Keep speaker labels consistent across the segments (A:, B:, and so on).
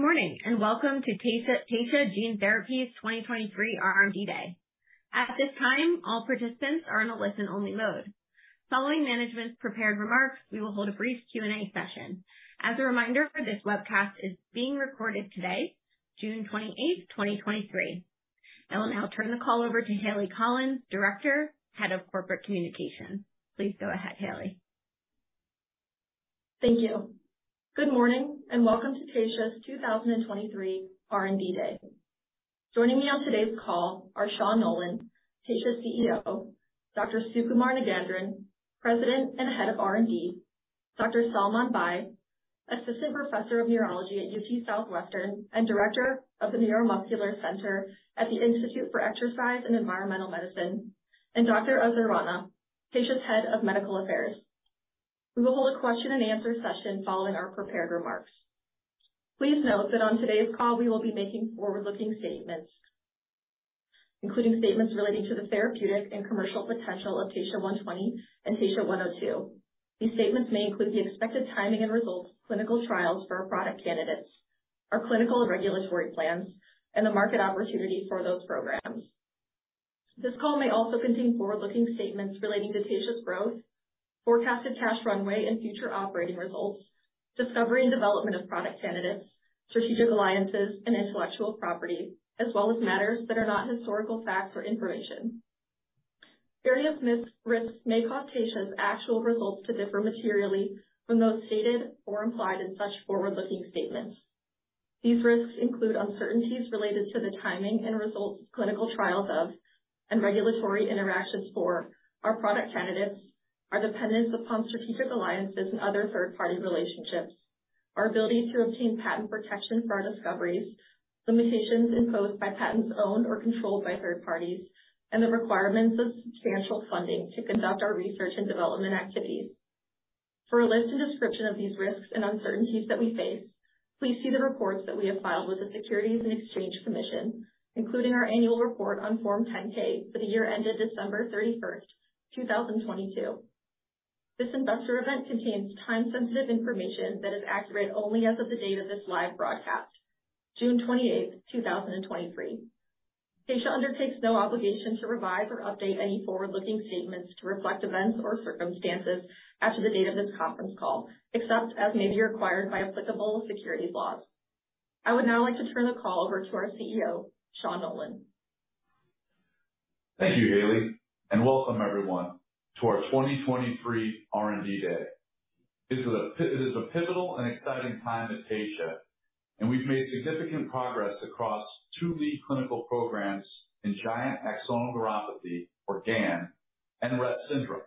A: Good morning, and welcome to Taysha Gene Therapies 2023 R&D Day. At this time, all participants are in a listen-only mode. Following management's prepared remarks, we will hold a brief Q&A session. As a reminder, this webcast is being recorded today, June 28, 2023. I will now turn the call over to Hayleigh Collins, Director, Head of Corporate Communications. Please go ahead, Hayleigh.
B: Thank you. Good morning, welcome to Taysha's 2023 R&D Day. Joining me on today's call are Sean Nolan, Taysha's CEO, Dr. Sukumar Nagendran, President and Head of R&D, Dr. Salman Bhai, Assistant Professor of Neurology at UT Southwestern, and Director of the Neuromuscular Center at the Institute for Exercise and Environmental Medicine, and Dr. Azhar Rana, Taysha's Head of Medical Affairs. We will hold a question and answer session following our prepared remarks. Please note that on today's call, we will be making forward-looking statements, including statements relating to the therapeutic and commercial potential of TSHA-120 and TSHA-102. These statements may include the expected timing and results of clinical trials for our product candidates, our clinical and regulatory plans, and the market opportunity for those programs. This call may also contain forward-looking statements relating to Taysha's growth, forecasted cash runway and future operating results, discovery and development of product candidates, strategic alliances and intellectual property, as well as matters that are not historical facts or information. Various risks may cause Taysha's actual results to differ materially from those stated or implied in such forward-looking statements. These risks include uncertainties related to the timing and results of clinical trials of, and regulatory interactions for our product candidates, our dependence upon strategic alliances and other third-party relationships, our ability to obtain patent protection for our discoveries, limitations imposed by patents owned or controlled by third parties, and the requirements of substantial funding to conduct our research and development activities. For a list and description of these risks and uncertainties that we face, please see the reports that we have filed with the Securities and Exchange Commission, including our annual report on Form 10-K for the year ended December 31st, 2022. This investor event contains time-sensitive information that is accurate only as of the date of this live broadcast, June 28th, 2023. Taysha undertakes no obligation to revise or update any forward-looking statements to reflect events or circumstances after the date of this conference call, except as may be required by applicable securities laws. I would now like to turn the call over to our CEO, Sean Nolan.
C: Thank you, Hayleigh, and welcome everyone to our 2023 R&D Day. It is a pivotal and exciting time at Taysha, and we've made significant progress across two lead clinical programs in giant axonal neuropathy, or GAN, and Rett syndrome.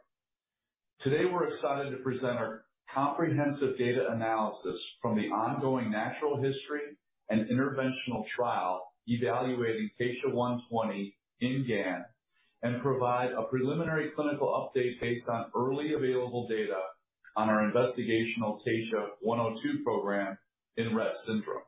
C: Today, we're excited to present our comprehensive data analysis from the ongoing natural history and interventional trial evaluating TSHA-120 in GAN, and provide a preliminary clinical update based on early available data on our investigational TSHA-102 program in Rett syndrome.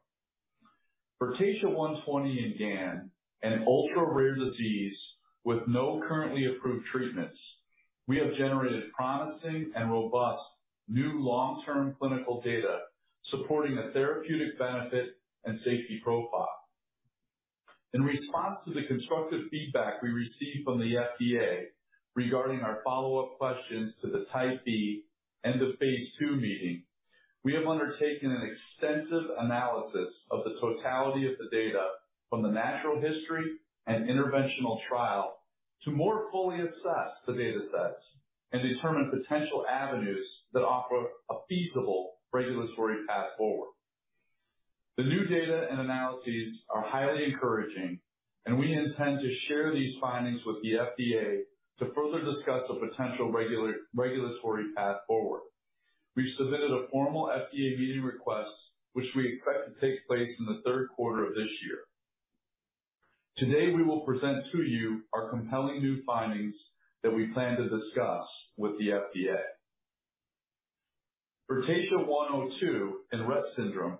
C: For TSHA-120 in GAN, an ultra-rare disease with no currently approved treatments, we have generated promising and robust new long-term clinical data supporting a therapeutic benefit and safety profile. In response to the constructive feedback we received from the FDA regarding our follow-up questions to the Type B and the phase II meeting, we have undertaken an extensive analysis of the totality of the data from the natural history and interventional trial to more fully assess the data sets and determine potential avenues that offer a feasible regulatory path forward. The new data and analyses are highly encouraging, we intend to share these findings with the FDA to further discuss a potential regulatory path forward. We've submitted a formal FDA meeting request, which we expect to take place in the third quarter of this year. Today, we will present to you our compelling new findings that we plan to discuss with the FDA. For TSHA-102 in Rett syndrome,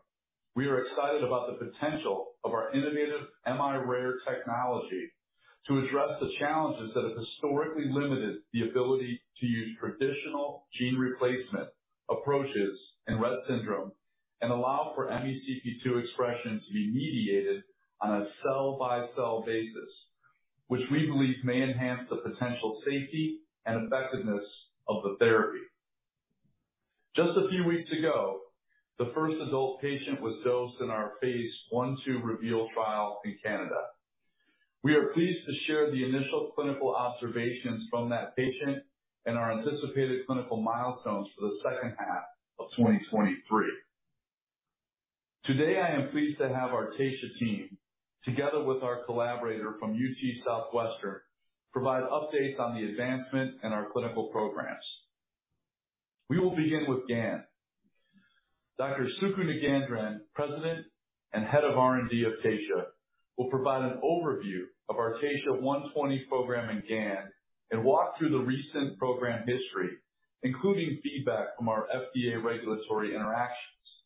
C: we are excited about the potential of our innovative miRARE technology to address the challenges that have historically limited the ability to use traditional gene replacement approaches in Rett syndrome and allow for MECP2 expression to be mediated on a cell-by-cell basis, which we believe may enhance the potential safety and effectiveness of the therapy. Just a few weeks ago, the first adult patient was dosed in our phase I/II REVEAL trial in Canada. We are pleased to share the initial clinical observations from that patient and our anticipated clinical milestones for the second half of 2023. Today, I am pleased to have our Taysha team, together with our collaborator from UT Southwestern, provide updates on the advancement in our clinical programs. We will begin with GAN. Dr. Sukumar Nagendran, President and Head of R&D of Taysha, will provide an overview of our TSHA-120 program in GAN and walk through the recent program history, including feedback from our FDA regulatory interactions.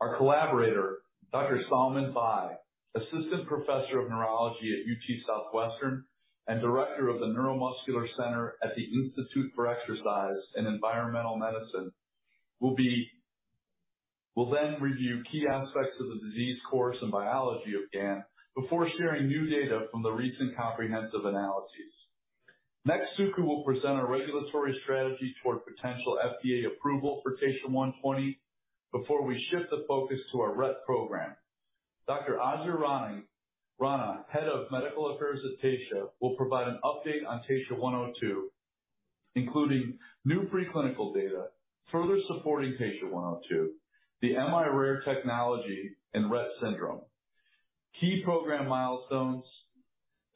C: Our collaborator, Dr. Salman Bhai, Assistant Professor of Neurology at UT Southwestern and Director of the Neuromuscular Center at the Institute for Exercise and Environmental. We'll then review key aspects of the disease course and biology of GAN before sharing new data from the recent comprehensive analyses. Suku will present our regulatory strategy toward potential FDA approval for TSHA-120, before we shift the focus to our Rett program. Azhar Rana, Head of Medical Affairs at Taysha, will provide an update on TSHA-102, including new preclinical data, further supporting TSHA-102, the miRARE technology in Rett syndrome, key program milestones,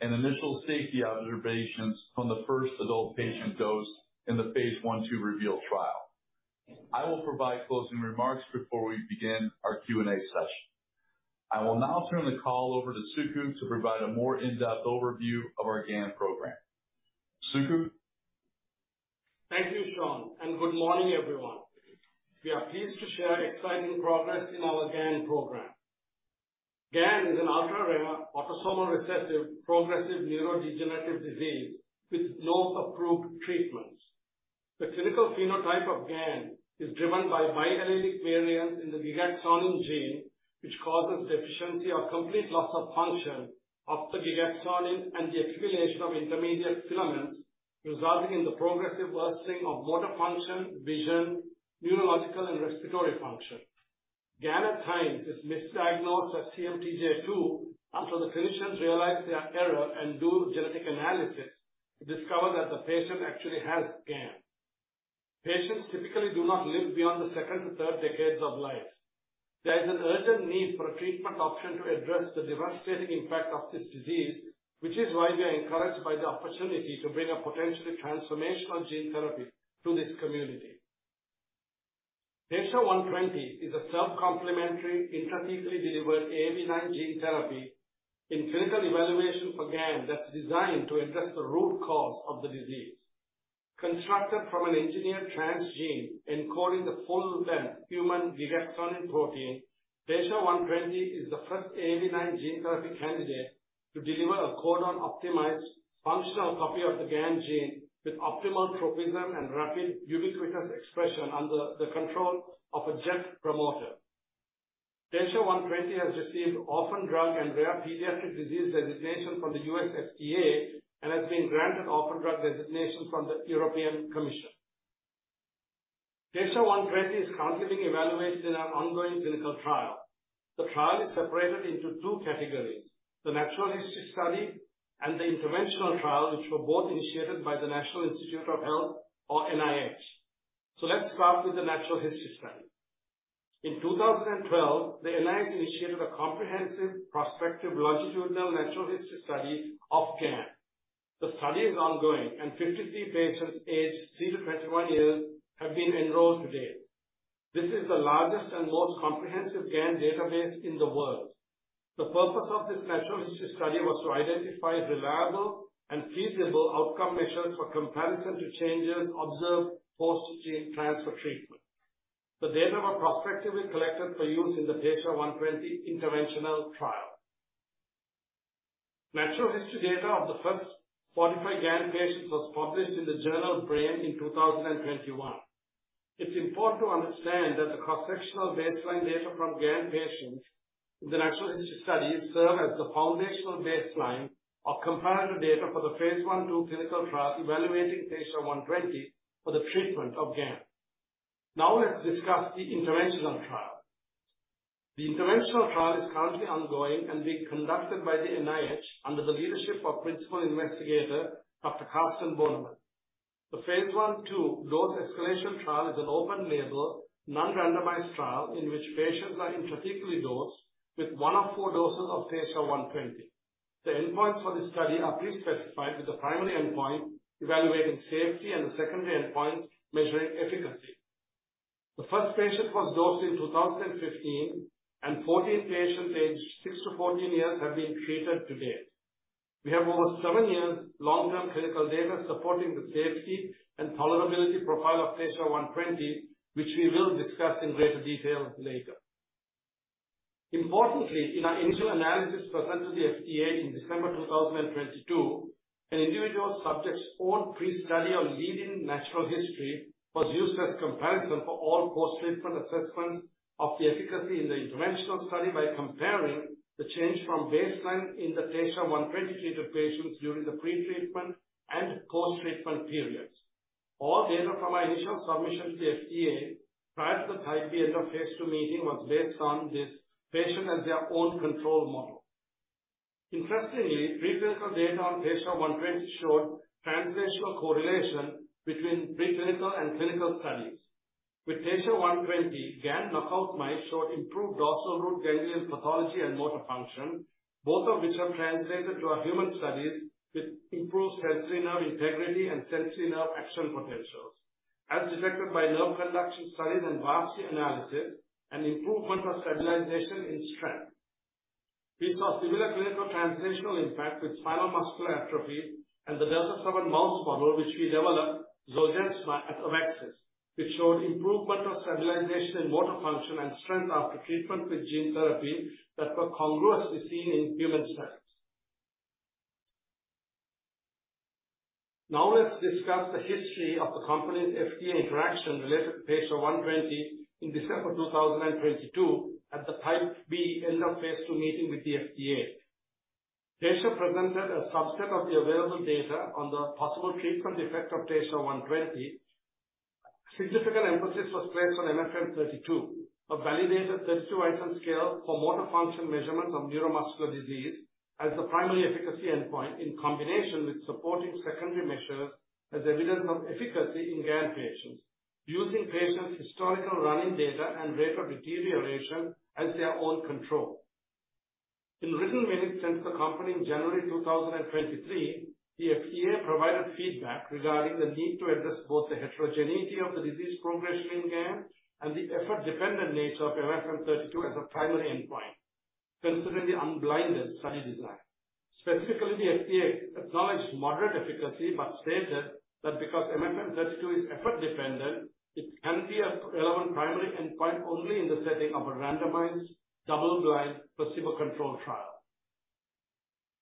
C: and initial safety observations from the first adult patient dose in the phase I/II REVEAL trial. I will provide closing remarks before we begin our Q&A session. I will now turn the call over to Suku to provide a more in-depth overview of our GAN program. Suku?
D: Thank you, Sean. Good morning, everyone. We are pleased to share exciting progress in our GAN program. GAN is an ultra-rare, autosomal recessive, progressive neurodegenerative disease with no approved treatments. The clinical phenotype of GAN is driven by bi-allelic variants in the gigaxonin gene, which causes deficiency or complete loss of function of the gigaxonin, and the accumulation of intermediate filaments, resulting in the progressive worsening of motor function, vision, neurological, and respiratory function. GAN, at times, is misdiagnosed as CMT2 until the physicians realize their error and do genetic analysis to discover that the patient actually has GAN. Patients typically do not live beyond the second to third decades of life. There is an urgent need for a treatment option to address the devastating impact of this disease, which is why we are encouraged by the opportunity to bring a potentially transformational gene therapy to this community. TSHA-120 is a self-complementary, intrathecally delivered AAV9 gene therapy in clinical evaluation for GAN that's designed to address the root cause of the disease. Constructed from an engineered transgene encoding the full-length human gigaxonin protein, TSHA-120 is the first AAV9 gene therapy candidate to deliver a codon-optimized functional copy of the GAN gene with optimal tropism and rapid ubiquitous expression under the control of a JeT promoter. TSHA-120 has received orphan drug and rare pediatric disease designation from the FDA and has been granted orphan drug designation from the European Commission. TSHA-120 is currently being evaluated in our ongoing clinical trial. The trial is separated into two categories: The natural history study and the interventional trial, which were both initiated by the National Institutes of Health or NIH. Let's start with the natural history study. In 2012, the NIH initiated a comprehensive prospective longitudinal natural history study of GAN. The study is ongoing, and 53 patients aged three-21 years have been enrolled to date. This is the largest and most comprehensive GAN database in the world. The purpose of this natural history study was to identify reliable and feasible outcome measures for comparison to changes observed post gene transfer treatment. The data were prospectively collected for use in the TSHA-120 interventional trial. Natural history data of the first 45 GAN patients was published in the journal Brain in 2021. It's important to understand that the cross-sectional baseline data from GAN patients in the natural history studies serve as the foundational baseline of comparative data for the phase I/II clinical trial, evaluating TSHA-120 for the treatment of GAN. Let's discuss the interventional trial. The interventional trial is currently ongoing and being conducted by the NIH under the leadership of Principal Investigator, Dr. Carsten Bönnemann. The phase I/II dose escalation trial is an open-label, non-randomized trial in which patients are intrathecally dosed with one of four doses of TSHA-120. The endpoints for the study are pre-specified, with the primary endpoint evaluating safety and the secondary endpoints measuring efficacy. The first patient was dosed in 2015, and 14 patients aged six to 14 years have been treated to date. We have over seven years long-term clinical data supporting the safety and tolerability profile of TSHA-120, which we will discuss in greater detail later. Importantly, in our initial analysis presented to the FDA in December 2022, an individual subject's own pre-study or leaving natural history was used as comparison for all post-treatment assessments of the efficacy in the interventional study by comparing the change from baseline in the TSHA-120 treated patients during the pre-treatment and post-treatment periods. All data from our initial submission to the FDA prior to the Type B end of phase I meeting was based on this patient and their own control model. Interestingly, preclinical data on TSHA-120 showed translational correlation between preclinical and clinical studies. With TSHA-120, GAN knockout mice showed improved dorsal root ganglion pathology and motor function, both of which have translated to our human studies with improved sensory nerve integrity and sensory nerve action potentials, as detected by nerve conduction studies and biopsy analysis, and improvement or stabilization in strength. We saw similar clinical translational impact with spinal muscular atrophy and the delta 7 mouse model, which we developed Zolgensma at AveXis, which showed improvement or stabilization in motor function and strength after treatment with gene therapy that were congruously seen in human studies. Let's discuss the history of the company's FDA interaction related to TSHA-120 in December 2022 at the Type B end of phase II meeting with the FDA. Taysha presented a subset of the available data on the possible treatment effect of TSHA-120. Significant emphasis was placed on MFM-32, a validated 32-item scale for motor function measurements of neuromuscular disease, as the primary efficacy endpoint, in combination with supporting secondary measures as evidence of efficacy in GAN patients, using patients' historical running data and rate of deterioration as their own control. In written minutes sent to the company in January 2023, the FDA provided feedback regarding the need to address both the heterogeneity of the disease progression in GAN and the effort-dependent nature of MFM-32 as a primary endpoint, considering the unblinded study design. Specifically, the FDA acknowledged moderate efficacy, but stated that because MFM-32 is effort dependent, it can be a relevant primary endpoint only in the setting of a randomized, double-blind, placebo-controlled trial.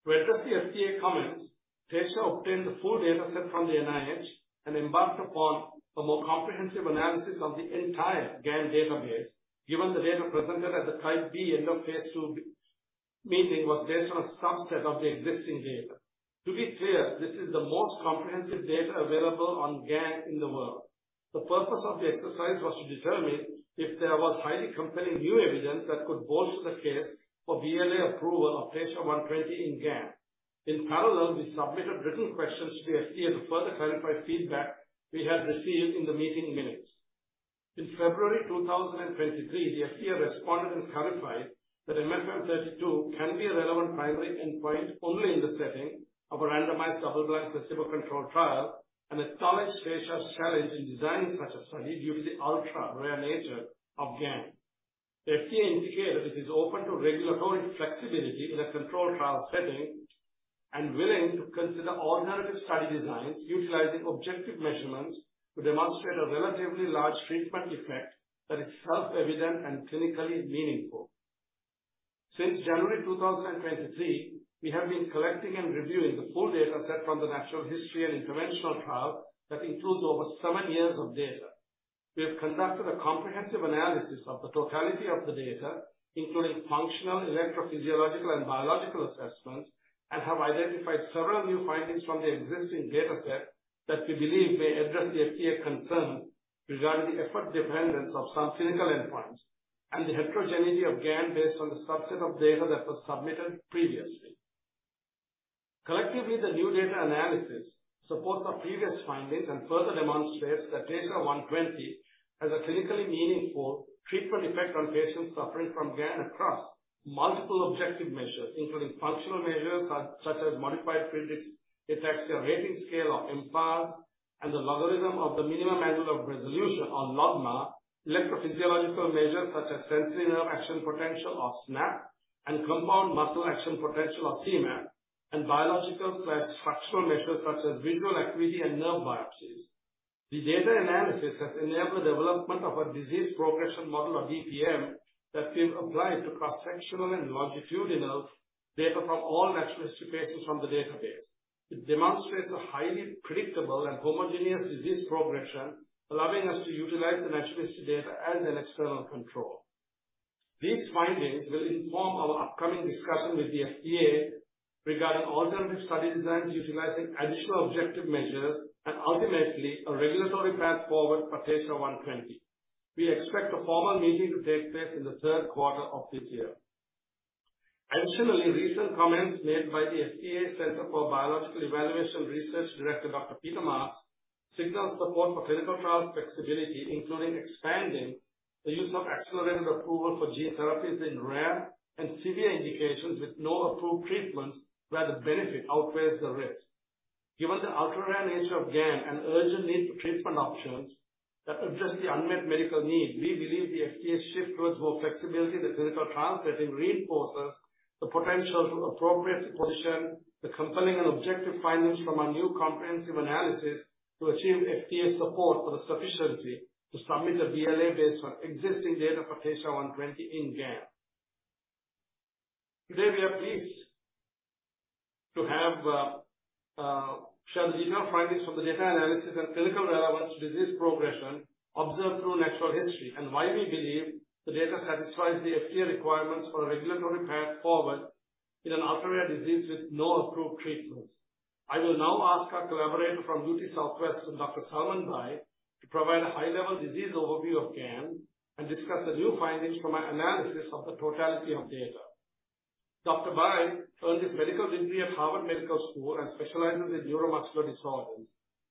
D: To address the FDA comments, Taysha obtained the full data set from the NIH and embarked upon a more comprehensive analysis of the entire GAN database, given the data presented at the Type B end of phase II meeting was based on a subset of the existing data. To be clear, this is the most comprehensive data available on GAN in the world. The purpose of the exercise was to determine if there was highly compelling new evidence that could bolster the case for BLA approval of TSHA-120 in GAN. In parallel, we submitted written questions to the FDA to further clarify feedback we had received in the meeting minutes. In February 2023, the FDA responded and clarified that MFM-32 can be a relevant primary endpoint only in the setting of a randomized, double-blind, placebo-controlled trial, and acknowledged Taysha's challenge in designing such a study due to the ultra-rare nature of GAN. The FDA indicated it is open to regulatory flexibility in a controlled trial setting and willing to consider alternative study designs utilizing objective measurements to demonstrate a relatively large treatment effect that is self-evident and clinically meaningful. Since January 2023, we have been collecting and reviewing the full data set from the Natural History and Interventional trial that includes over seven years of data. We have conducted a comprehensive analysis of the totality of the data, including functional, electrophysiological, and biological assessments, and have identified several new findings from the existing data set that we believe may address the FDA concerns regarding the effort dependence of some clinical endpoints and the heterogeneity of GAN based on the subset of data that was submitted previously. Collectively, the new data analysis supports our previous findings and further demonstrates that TSHA-120 has a clinically meaningful treatment effect on patients suffering from GAN across multiple objective measures, including functional measures, such as Modified Friedreich Ataxia Rating Scale or mFARS, and the Logarithm of the Minimum Angle of Resolution or logMAR, electrophysiological measures such as Sensory Nerve Action Potential or SNAP, and Compound Muscle Action Potential or CMAP, and biological/structural measures such as visual acuity and nerve biopsies. The data analysis has enabled development of a disease progression model, or DPM, that we've applied to cross-sectional and longitudinal data from all natural history patients from the database. It demonstrates a highly predictable and homogeneous disease progression, allowing us to utilize the natural history data as an external control. These findings will inform our upcoming discussion with the FDA regarding alternative study designs, utilizing additional objective measures and ultimately a regulatory path forward for TSHA-120. We expect a formal meeting to take place in the third quarter of this year. Additionally, recent comments made by the FDA Center for Biologics Evaluation and Research Director, Dr. Peter Marks, signals support for clinical trial flexibility, including expanding the use of accelerated approval for gene therapies in rare and severe indications with no approved treatments, where the benefit outweighs the risk. Given the ultra-rare nature of GAN and urgent need for treatment options that address the unmet medical need, we believe the FDA's shift towards more flexibility in the clinical trial setting reinforces the potential to appropriately position the compelling and objective findings from our new comprehensive analysis to achieve FDA support for the sufficiency to submit a BLA based on existing data for TSHA-120 in GAN. Today, we are pleased to have share the initial findings from the data analysis and clinical relevance disease progression observed through natural history, and why we believe the data satisfies the FDA requirements for a regulatory path forward in an ultra-rare disease with no approved treatments. I will now ask our collaborator from UT Southwestern, Dr. Salman Bhai, to provide a high-level disease overview of GAN and discuss the new findings from our analysis of the totality of data. Dr. Bhai earned his medical degree at Harvard Medical School and specializes in neuromuscular disorders.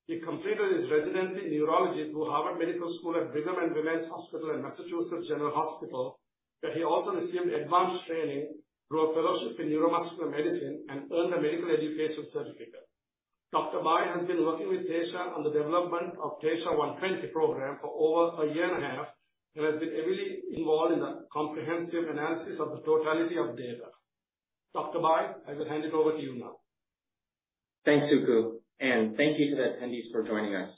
D: He completed his residency in neurology through Harvard Medical School at Brigham and Women's Hospital and Massachusetts General Hospital, where he also received advanced training through a fellowship in neuromuscular medicine and earned a medical education certificate. Dr. Bhai has been working with Taysha on the development of TSHA-120 program for over a year and a half and has been heavily involved in the comprehensive analysis of the totality of data. Dr. Bhai, I will hand it over to you now.
E: Thanks, Suku. Thank you to the attendees for joining us.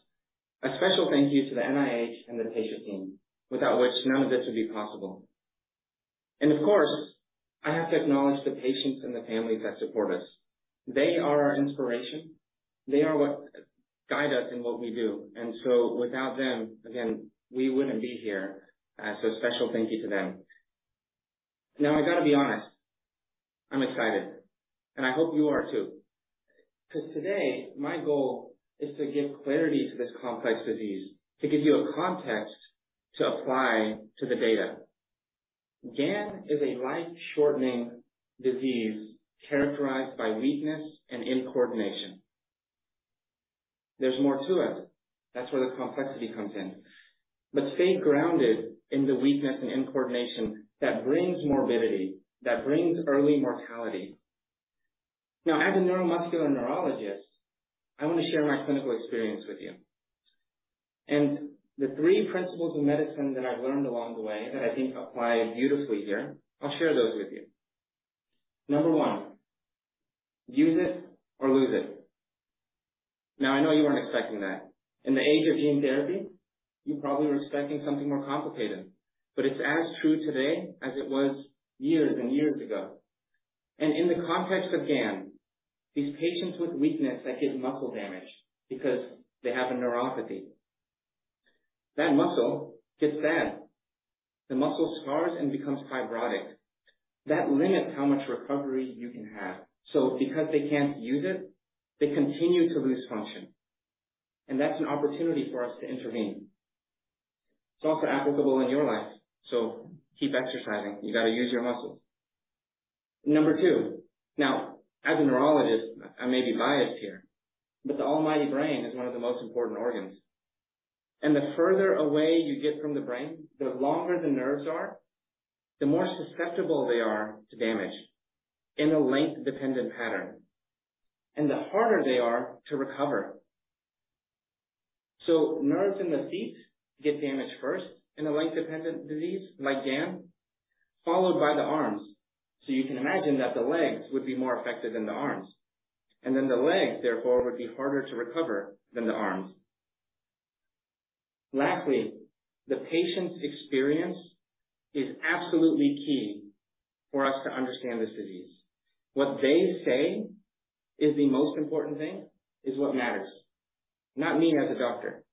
E: A special thank you to the NIH and the Taysha team, without which none of this would be possible. Of course, I have to acknowledge the patients and the families that support us. They are our inspiration. They are what guide us in what we do. Without them, again, we wouldn't be here. Special thank you to them. Now, I got to be honest, I'm excited. I hope you are too, because today my goal is to give clarity to this complex disease, to give you a context to apply to the data. GAN is a life-shortening disease characterized by weakness and incoordination. There's more to it. That's where the complexity comes in. Stay grounded in the weakness and incoordination that brings morbidity, that brings early mortality. Now, as a neuromuscular neurologist, I want to share my clinical experience with you. The three principles of medicine that I've learned along the way that I think apply beautifully here, I'll share those with you. Number one, use it or lose it. Now, I know you weren't expecting that. In the age of gene therapy, you probably were expecting something more complicated, but it's as true today as it was years and years ago. In the context of GAN, these patients with weakness that get muscle damage because they have a neuropathy, that muscle gets bad, the muscle scars and becomes fibrotic. That limits how much recovery you can have. Because they can't use it, they continue to lose function, and that's an opportunity for us to intervene. It's also applicable in your life, so keep exercising. You got to use your muscles. Number two. As a neurologist, I may be biased here, but the almighty brain is one of the most important organs, and the further away you get from the brain, the longer the nerves are, the more susceptible they are to damage in a length-dependent pattern, and the harder they are to recover. Nerves in the feet get damaged first in a length-dependent disease like GAN, followed by the arms. You can imagine that the legs would be more affected than the arms, and then the legs, therefore, would be harder to recover than the arms. The patient's experience is absolutely key for us to understand this disease. What they say is the most important thing is what matters, not me as a doctor.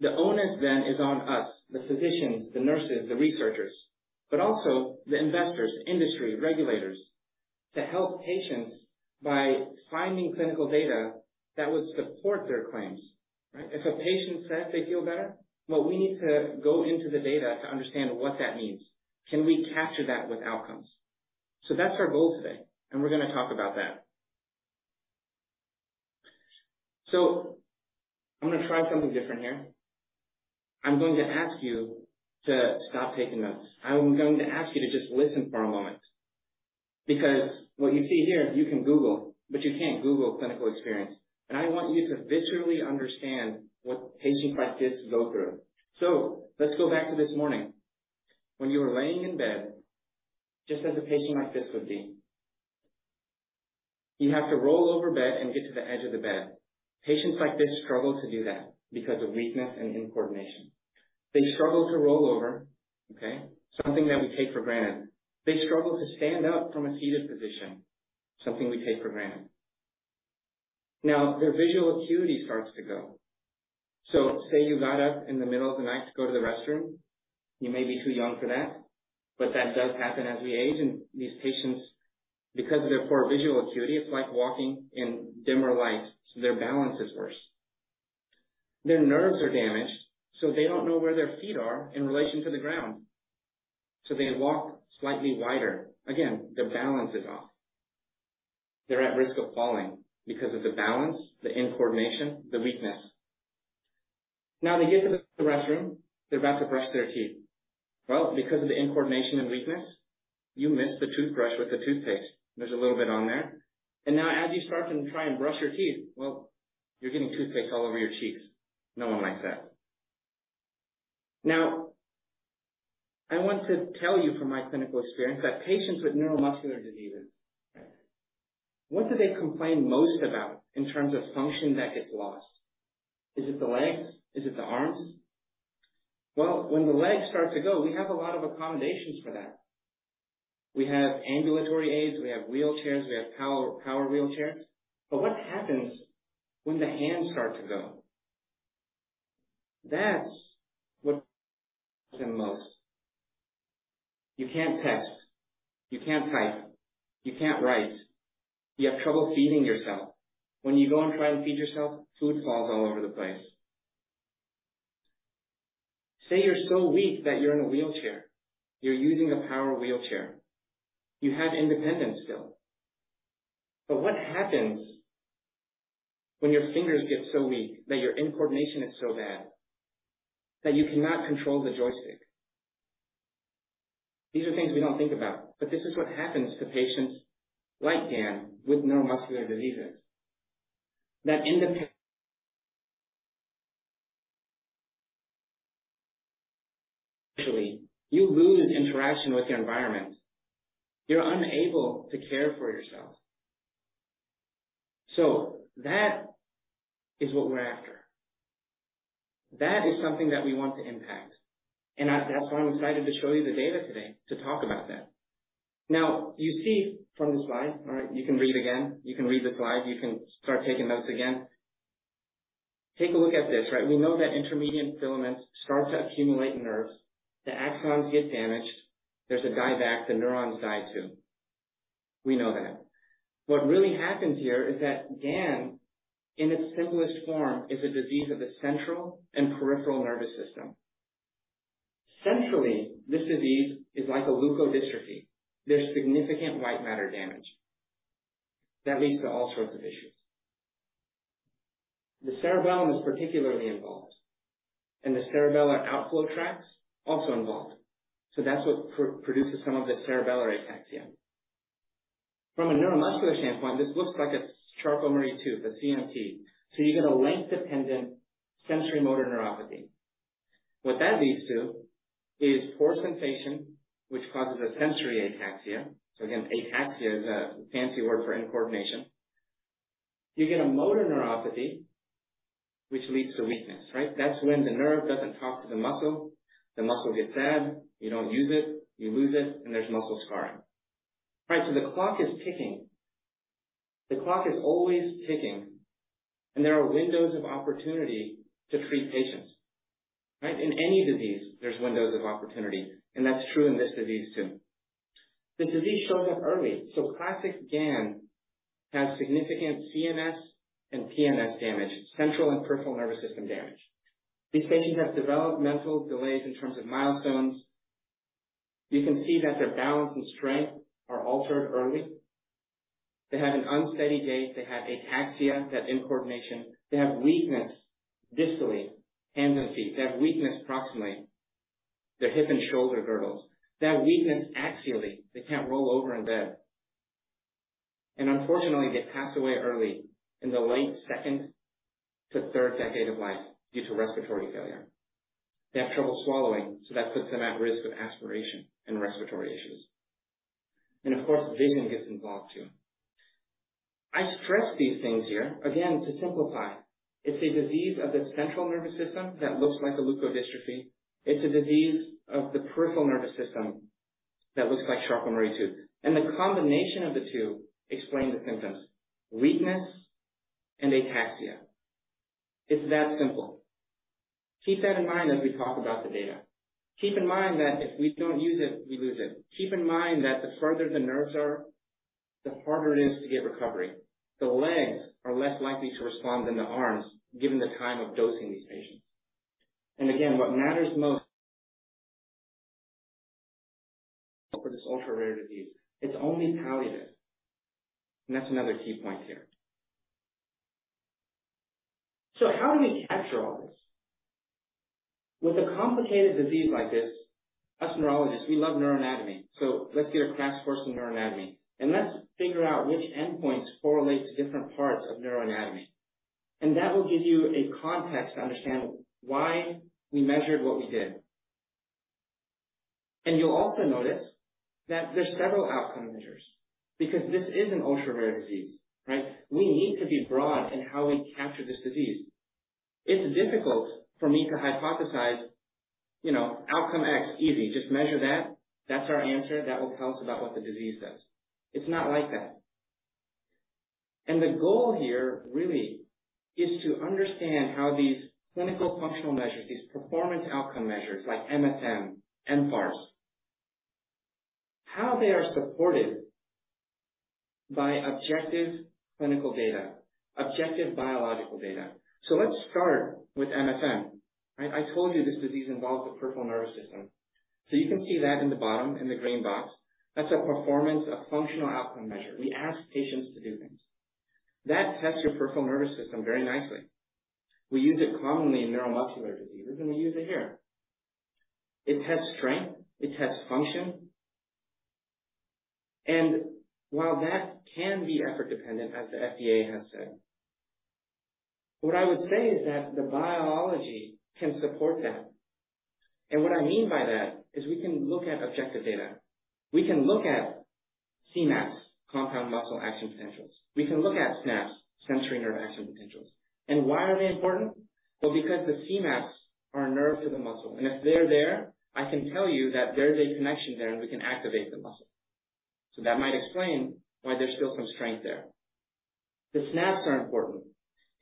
E: The onus is on us, the physicians, the nurses, the researchers, but also the investors, industry, regulators, to help patients by finding clinical data that would support their claims, right? If a patient says they feel better, well, we need to go into the data to understand what that means. Can we capture that with outcomes? That's our goal today. We're going to talk about that. I'm going to try something different here. I'm going to ask you to stop taking notes. I'm going to ask you to just listen for a moment, because what you see here, you can Google, but you can't Google clinical experience. I want you to viscerally understand what patients like this go through. Let's go back to this morning. When you were laying in bed, just as a patient like this would be, you have to roll over bed and get to the edge of the bed. Patients like this struggle to do that because of weakness and incoordination. They struggle to roll over, okay? Something that we take for granted. They struggle to stand up from a seated position, something we take for granted. Their visual acuity starts to go. Say you got up in the middle of the night to go to the restroom. You may be too young for that, but that does happen as we age. These patients, because of their poor visual acuity, it's like walking in dimmer lights, so their balance is worse. Their nerves are damaged, so they don't know where their feet are in relation to the ground, so they walk slightly wider. Again, their balance is off. They're at risk of falling because of the balance, the incoordination, the weakness. They get to the restroom. They're about to brush their teeth. Well, because of the incoordination and weakness, you miss the toothbrush with the toothpaste. There's a little bit on there. Now as you start to try and brush your teeth, well, you're getting toothpaste all over your cheeks. No one likes that. I want to tell you from my clinical experience that patients with neuromuscular diseases, what do they complain most about in terms of function that gets lost? Is it the legs? Is it the arms? Well, when the legs start to go, we have a lot of accommodations for that. We have ambulatory aids, we have wheelchairs, we have power wheelchairs. What happens when the hands start to go? That's what the most. You can't text, you can't type, you can't write. You have trouble feeding yourself. When you go and try and feed yourself, food falls all over the place. Say you're so weak that you're in a wheelchair. You're using a power wheelchair. You have independence still. What happens when your fingers get so weak that your incoordination is so bad that you cannot control the joystick? These are things we don't think about, but this is what happens to patients like GAN with neuromuscular diseases. You lose interaction with your environment. You're unable to care for yourself. That is what we're after. That is something that we want to impact, and that's why I'm excited to show you the data today, to talk about that. You see from the slide, all right, you can read again, you can read the slide, you can start taking notes again. Take a look at this, right? We know that intermediate filaments start to accumulate in nerves, the axons get damaged, there's a die back, the neurons die, too. We know that. What really happens here is that GAN, in its simplest form, is a disease of the central and peripheral nervous system. Centrally, this disease is like a leukodystrophy. There's significant white matter damage that leads to all sorts of issues. The cerebellum is particularly involved, and the cerebellar outflow tracts also involved, so that's what produces some of the cerebellar ataxia. From a neuromuscular standpoint, this looks like a Charcot-Marie-Tooth, a CMT, so you get a length-dependent sensory motor neuropathy. What that leads to is poor sensation, which causes a sensory ataxia. Again, ataxia is a fancy word for incoordination. You get a motor neuropathy, which leads to weakness, right? That's when the nerve doesn't talk to the muscle. The muscle gets sad, you don't use it, you lose it, and there's muscle scarring. The clock is ticking. The clock is always ticking, and there are windows of opportunity to treat patients, right? In any disease, there's windows of opportunity, and that's true in this disease, too. This disease shows up early, classic GAN has significant CNS and PNS damage, central and peripheral nervous system damage. These patients have developmental delays in terms of milestones. You can see that their balance and strength are altered early. They have an unsteady gait, they have ataxia, that incoordination. They have weakness distally, hands and feet. They have weakness proximally, their hip and shoulder girdles. They have weakness axially, they can't roll over in bed. Unfortunately, they pass away early in the late second to third decade of life due to respiratory failure. They have trouble swallowing, that puts them at risk of aspiration and respiratory issues. Of course, vision gets involved, too. I stress these things here, again, to simplify. It's a disease of the central nervous system that looks like a leukodystrophy. It's a disease of the peripheral nervous system that looks like Charcot-Marie-Tooth, the combination of the two explain the symptoms, weakness and ataxia. It's that simple. Keep that in mind as we talk about the data. Keep in mind that if we don't use it, we lose it. Keep in mind that the further the nerves are, the harder it is to get recovery. The legs are less likely to respond than the arms, given the time of dosing these patients. Again, what matters most. for this ultra-rare disease, it's only palliative, and that's another key point here. How do we capture all this? With a complicated disease like this, us neurologists, we love neuroanatomy, so let's get a crash course in neuroanatomy, and let's figure out which endpoints correlate to different parts of neuroanatomy. That will give you a context to understand why we measured what we did. You'll also notice that there's several outcome measures, because this is an ultra-rare disease, right? We need to be broad in how we capture this disease. It's difficult for me to hypothesize, you know, outcome X, easy, just measure that. That's our answer. That will tell us about what the disease does. It's not like that. The goal here really is to understand how these clinical functional measures, these performance outcome measures like MFM, mFARS, how they are supported by objective clinical data, objective biological data. Let's start with MFM. I told you this disease involves the peripheral nervous system. You can see that in the bottom, in the green box. That's a performance, a functional outcome measure. We ask patients to do things. That tests your peripheral nervous system very nicely. We use it commonly in neuromuscular diseases, and we use it here. It tests strength, it tests function, and while that can be effort dependent, as the FDA has said, what I would say is that the biology can support that. What I mean by that is we can look at objective data. We can look at CMAPs, compound muscle action potentials. We can look at SNAPs, sensory nerve action potentials. Why are they important? Well, because the CMAPs are a nerve to the muscle, and if they're there, I can tell you that there's a connection there, and we can activate the muscle. That might explain why there's still some strength there. The SNAPs are important.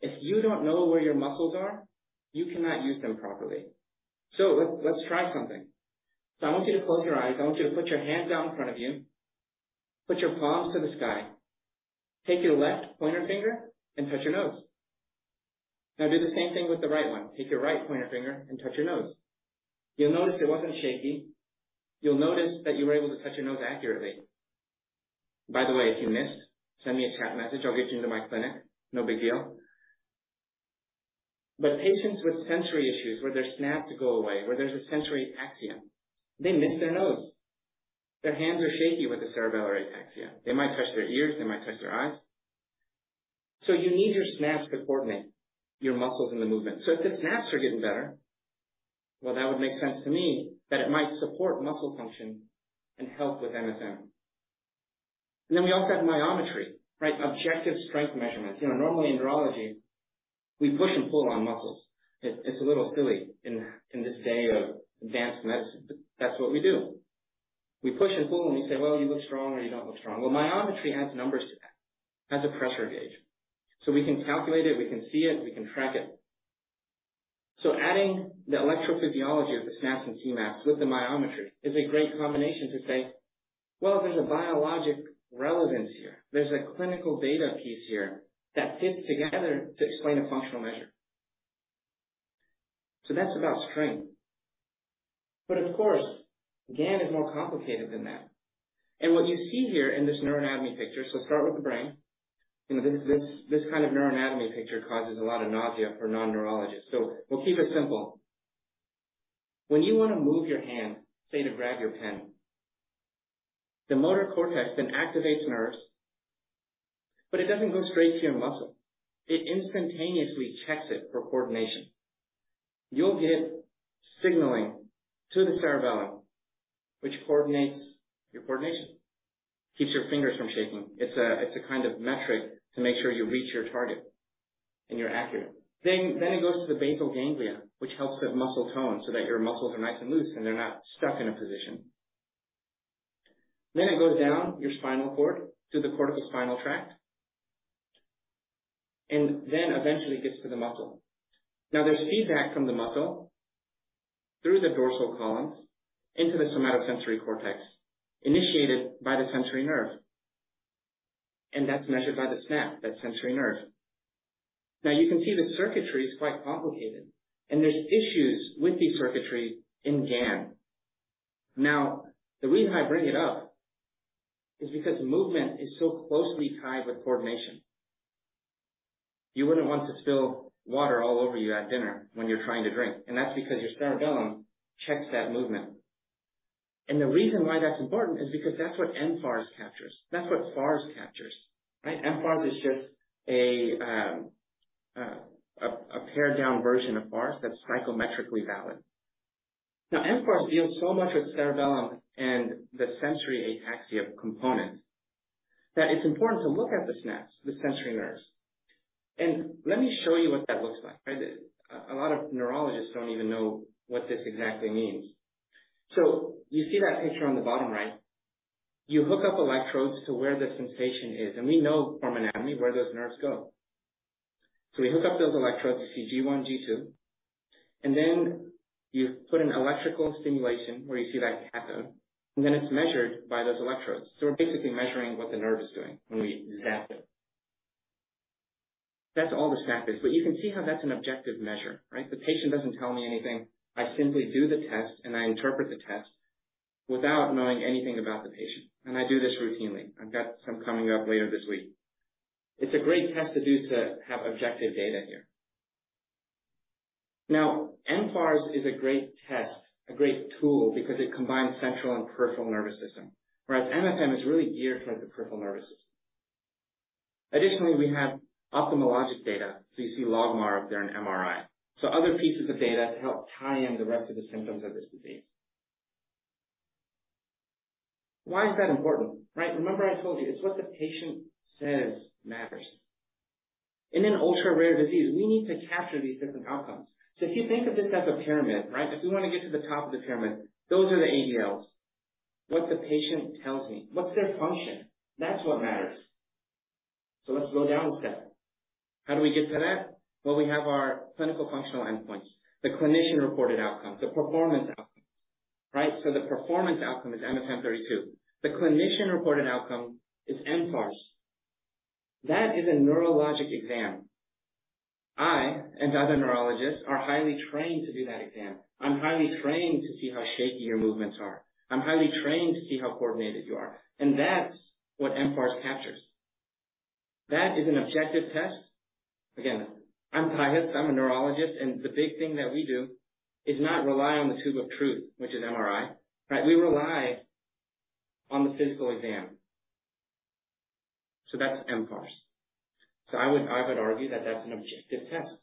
E: If you don't know where your muscles are, you cannot use them properly. Let's try something. I want you to close your eyes. I want you to put your hands out in front of you. Put your palms to the sky. Take your left pointer finger and touch your nose. Now do the same thing with the right one. Take your right pointer finger and touch your nose. You'll notice it wasn't shaky. You'll notice that you were able to touch your nose accurately. By the way, if you missed, send me a chat message. I'll get you into my clinic. No big deal. Patients with sensory issues where their SNAPs go away, where there's a sensory ataxia, they miss their nose. Their hands are shaky with the cerebellar ataxia. They might touch their ears, they might touch their eyes. You need your SNAPs to coordinate your muscles and the movement. If the SNAPs are getting better, well, that would make sense to me that it might support muscle function and help with MFM. We also have myometry, right? Objective strength measurements. You know, normally in neurology, we push and pull on muscles. It's a little silly in this day of advanced medicine, but that's what we do. We push and pull, and we say, "Well, you look strong," or, "You don't look strong." Myometry adds numbers to that. Has a pressure gauge, we can calculate it, we can see it, we can track it. Adding the electrophysiology of the SNAP and CMAP with the myometry is a great combination to say, "Well, there's a biologic relevance here. There's a clinical data piece here that fits together to explain a functional measure." That's about strength. Of course, GAN is more complicated than that. What you see here in this neuroanatomy picture. Start with the brain. You know, this kind of neuroanatomy picture causes a lot of nausea for non-neurologists, we'll keep it simple. When you want to move your hand, say, to grab your pen, the motor cortex activates nerves, it doesn't go straight to your muscle. It instantaneously checks it for coordination. You'll get signaling to the cerebellum, which coordinates your coordination, keeps your fingers from shaking. It's a kind of metric to make sure you reach your target and you're accurate. It goes to the basal ganglia, which helps with muscle tone, so that your muscles are nice and loose and they're not stuck in a position. It goes down your spinal cord to the corticospinal tract and then eventually gets to the muscle. There's feedback from the muscle through the dorsal columns into the somatosensory cortex, initiated by the sensory nerve, and that's measured by the SNAP, that sensory nerve. You can see the circuitry is quite complicated, and there's issues with the circuitry in GAN. The reason I bring it up is because movement is so closely tied with coordination. You wouldn't want to spill water all over you at dinner when you're trying to drink, that's because your cerebellum checks that movement. The reason why that's important is because that's what mFARS captures. That's what FARS captures, right? mFARS is just a pared-down version of FARS that's psychometrically valid. mFARS deals so much with cerebellum and the sensory ataxia component that it's important to look at the SNAPs, the sensory nerves. Let me show you what that looks like, right? A lot of neurologists don't even know what this exactly means. You see that picture on the bottom right? You hook up electrodes to where the sensation is, we know from anatomy where those nerves go. We hook up those electrodes, you see G1, G2, and then you put an electrical stimulation where you see that cathode, and then it's measured by those electrodes. We're basically measuring what the nerve is doing when we zap it. That's all the SNAP is. You can see how that's an objective measure, right? The patient doesn't tell me anything. I simply do the test, and I interpret the test without knowing anything about the patient. I do this routinely. I've got some coming up later this week. It's a great test to do to have objective data here. mFARS is a great test, a great tool, because it combines central and peripheral nervous system, whereas MFM is really geared towards the peripheral nervous system. Additionally, we have ophthalmologic data, so you see logMAR up there in MRI. Other pieces of data to help tie in the rest of the symptoms of this disease. Why is that important, right? Remember I told you, it's what the patient says matters. In an ultra-rare disease, we need to capture these different outcomes. If you think of this as a pyramid, right? If we want to get to the top of the pyramid, those are the ADLs. What the patient tells me. What's their function? That's what matters. Let's go down one step. How do we get to that? Well, we have our clinical functional endpoints, the clinician-reported outcomes, the performance outcomes, right? The performance outcome is MFM-32. The clinician-reported outcome is mFARS. That is a neurologic exam. I and other neurologists are highly trained to do that exam. I'm highly trained to see how shaky your movements are. I'm highly trained to see how coordinated you are, and that's what mFARS captures. That is an objective test. Again, I'm Kahesized. I'm a neurologist, and the big thing that we do is not rely on the tube of truth, which is MRI, right? We rely on the physical exam. That's mFARS. I would argue that that's an objective test.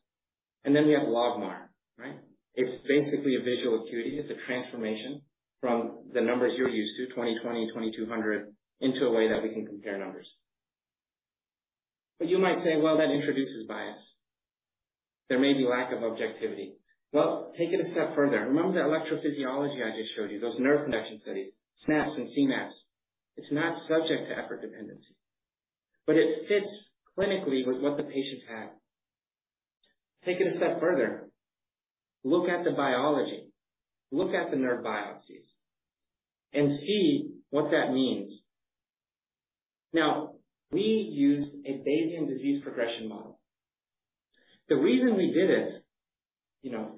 E: We have logMAR, right? It's basically a visual acuity. It's a transformation from the numbers you're used to, 20/20/200, into a way that we can compare numbers. You might say, "Well, that introduces bias." There may be lack of objectivity. Well, take it a step further. Remember that electrophysiology I just showed you, those nerve conduction studies, SNAPs and CMAPs. It's not subject to effort dependency, but it fits clinically with what the patients have. Take it a step further. Look at the biology, look at the nerve biopsies, and see what that means. We used a Bayesian disease progression model. The reason we did this, you know,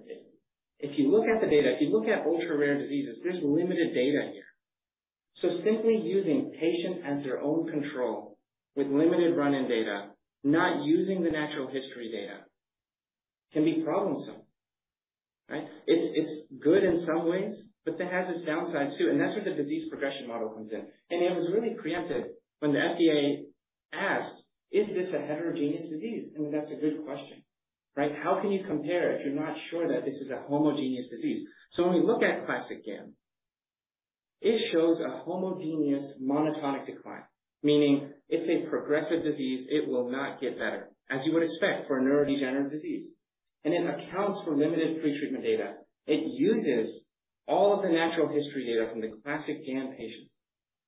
E: if you look at the data, if you look at ultra-rare diseases, there's limited data here. Simply using patient as their own control with limited run-in data, not using the natural history data, can be troublesome, right? It's good in some ways, but that has its downsides, too, and that's where the disease progression model comes in. It was really preempted when the FDA asked, "Is this a heterogeneous disease?" That's a good question, right? How can you compare if you're not sure that this is a homogeneous disease? When we look at classic GAN, it shows a homogeneous monotonic decline, meaning it's a progressive disease. It will not get better, as you would expect for a neurodegenerative disease, and it accounts for limited pre-treatment data. It uses all of the natural history data from the classic GAN patients,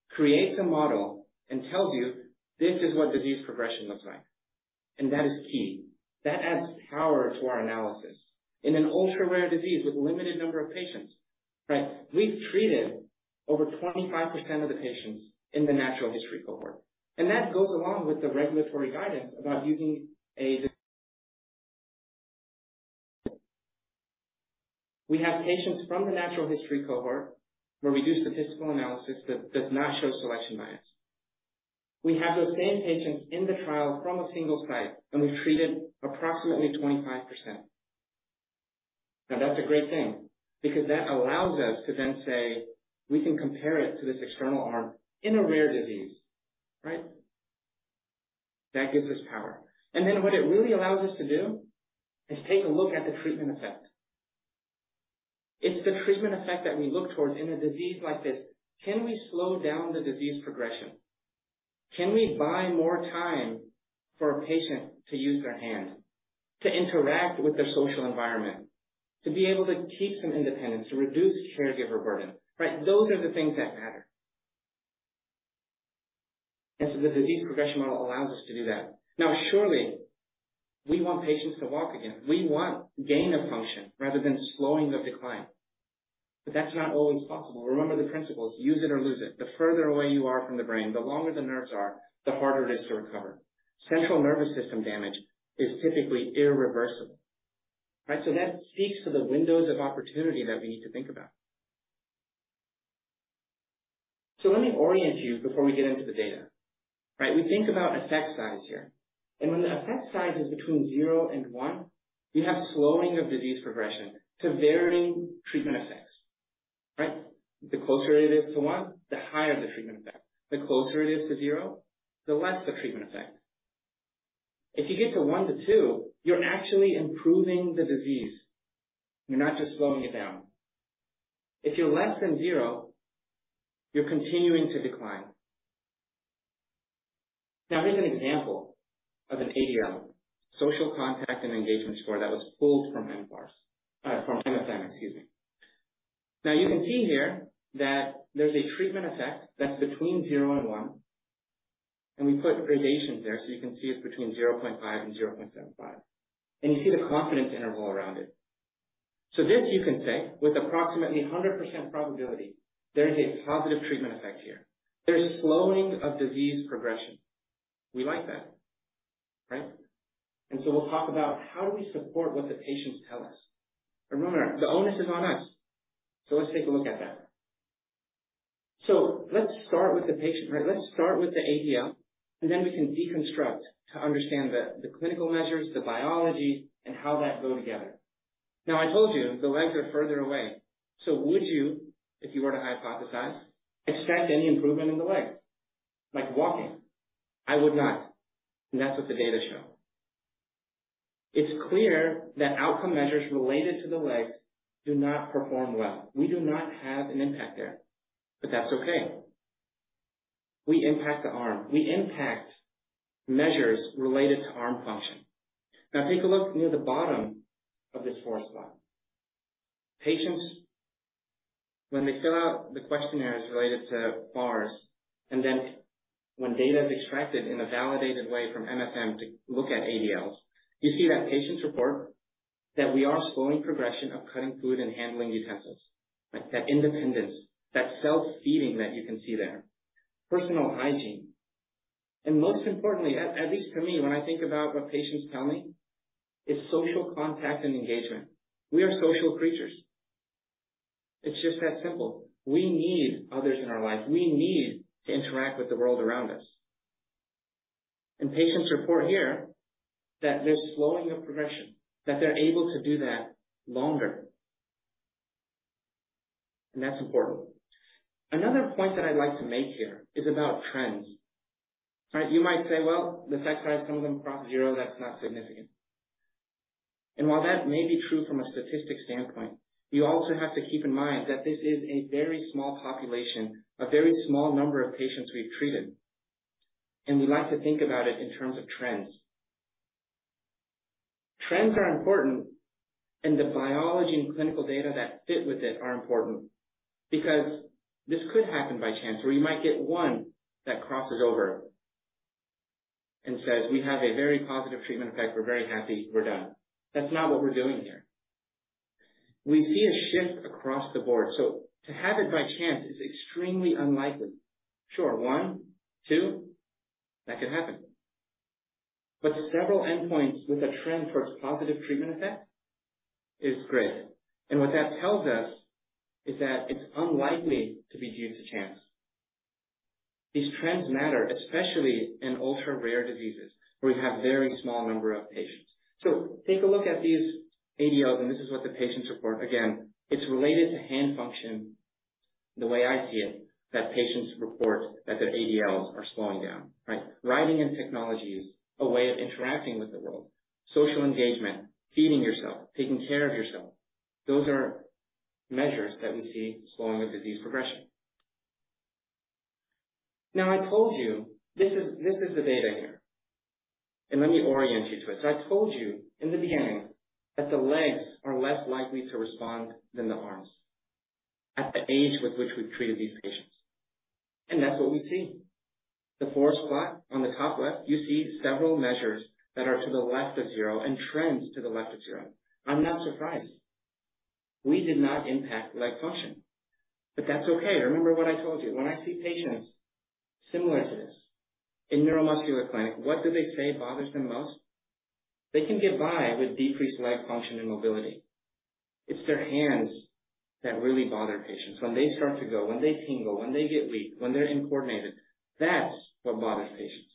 E: creates a model, and tells you, "This is what disease progression looks like." That is key. That adds power to our analysis. In an ultra-rare disease with a limited number of patients, right, we've treated over 25% of the patients in the natural history cohort, and that goes along with the regulatory guidance. We have patients from the natural history cohort, where we do statistical analysis that does not show selection bias. We have those same patients in the trial from a single site, and we've treated approximately 25%. That's a great thing because that allows us to then say we can compare it to this external arm in a rare disease, right? That gives us power. What it really allows us to do is take a look at the treatment effect. It's the treatment effect that we look towards in a disease like this. Can we slow down the disease progression? Can we buy more time for a patient to use their hand, to interact with their social environment, to be able to keep some independence, to reduce caregiver burden? Right. Those are the things that matter. The disease progression model allows us to do that. Surely, we want patients to walk again. We want gain of function rather than slowing of decline, but that's not always possible. Remember the principles, use it or lose it. The further away you are from the brain, the longer the nerves are, the harder it is to recover. Central nervous system damage is typically irreversible, right? That speaks to the windows of opportunity that we need to think about. Let me orient you before we get into the data. We think about effect size here, and when the effect size is between zero and one, we have slowing of disease progression to varying treatment effects, right? The closer it is to one, the higher the treatment effect. The closer it is to zero, the less the treatment effect. If you get to one to two, you're actually improving the disease. You're not just slowing it down. If you're less than zero, you're continuing to decline. Now, here's an example of an ADL, social contact and engagement score that was pulled from mFARS, from mFM, excuse me. Now, you can see here that there's a treatment effect that's between zero and one, and we put gradations there, so you can see it's between 0.5 and 0.75, and you see the confidence interval around it. This you can say with approximately 100% probability, there is a positive treatment effect here. There's slowing of disease progression. We like that, right? We'll talk about how do we support what the patients tell us? Remember, the onus is on us. Let's take a look at that. Let's start with the patient, right? Let's start with the ADL, and then we can deconstruct to understand the clinical measures, the biology, and how that go together. I told you the legs are further away. Would you, if you were to hypothesize, expect any improvement in the legs, like walking? I would not. That's what the data show. It's clear that outcome measures related to the legs do not perform well. We do not have an impact there, but that's okay. We impact the arm. We impact measures related to arm function. Take a look near the bottom of this forest plot. Patients, when they fill out the questionnaires related to FARS, and then when data is extracted in a validated way from MFM-32 to look at ADLs, you see that patients report that we are slowing progression of cutting food and handling utensils. Like that independence, that self-feeding that you can see there, personal hygiene, and most importantly, at least to me, when I think about what patients tell me, is social contact and engagement. We are social creatures. It's just that simple. We need others in our life. We need to interact with the world around us. Patients report here that there's slowing of progression, that they're able to do that longer. That's important. Another point that I'd like to make here is about trends, right? You might say, "Well, the effect size, some of them cross zero. That's not significant." While that may be true from a statistic standpoint, you also have to keep in mind that this is a very small population, a very small number of patients we've treated, and we like to think about it in terms of trends. Trends are important, and the biology and clinical data that fit with it are important because this could happen by chance, where you might get one that crosses over and says, "We have a very positive treatment effect. We're very happy. We're done." That's not what we're doing here. We see a shift across the board, so to have it by chance is extremely unlikely. Sure, one, two, that could happen, but several endpoints with a trend towards positive treatment effect is great. What that tells us is that it's unlikely to be due to chance. These trends matter, especially in ultra-rare diseases, where we have very small number of patients. Take a look at these ADLs, and this is what the patients report. Again, it's related to hand function. The way I see it, that patients report that their ADLs are slowing down, right? Writing and technology is a way of interacting with the world. Social engagement, feeding yourself, taking care of yourself, those are measures that we see slowing the disease progression. I told you, this is the data here, and let me orient you to it. I told you in the beginning that the legs are less likely to respond than the arms at the age with which we've treated these patients. That's what we see. The force plot on the top left, you see several measures that are to the left of zero and trends to the left of zero. I'm not surprised. We did not impact leg function, but that's okay. Remember what I told you. When I see patients similar to this in neuromuscular clinic, what do they say bothers them most? They can get by with decreased leg function and mobility. It's their hands that really bother patients. When they start to go, when they tingle, when they get weak, when they're incoordinated, that's what bothers patients.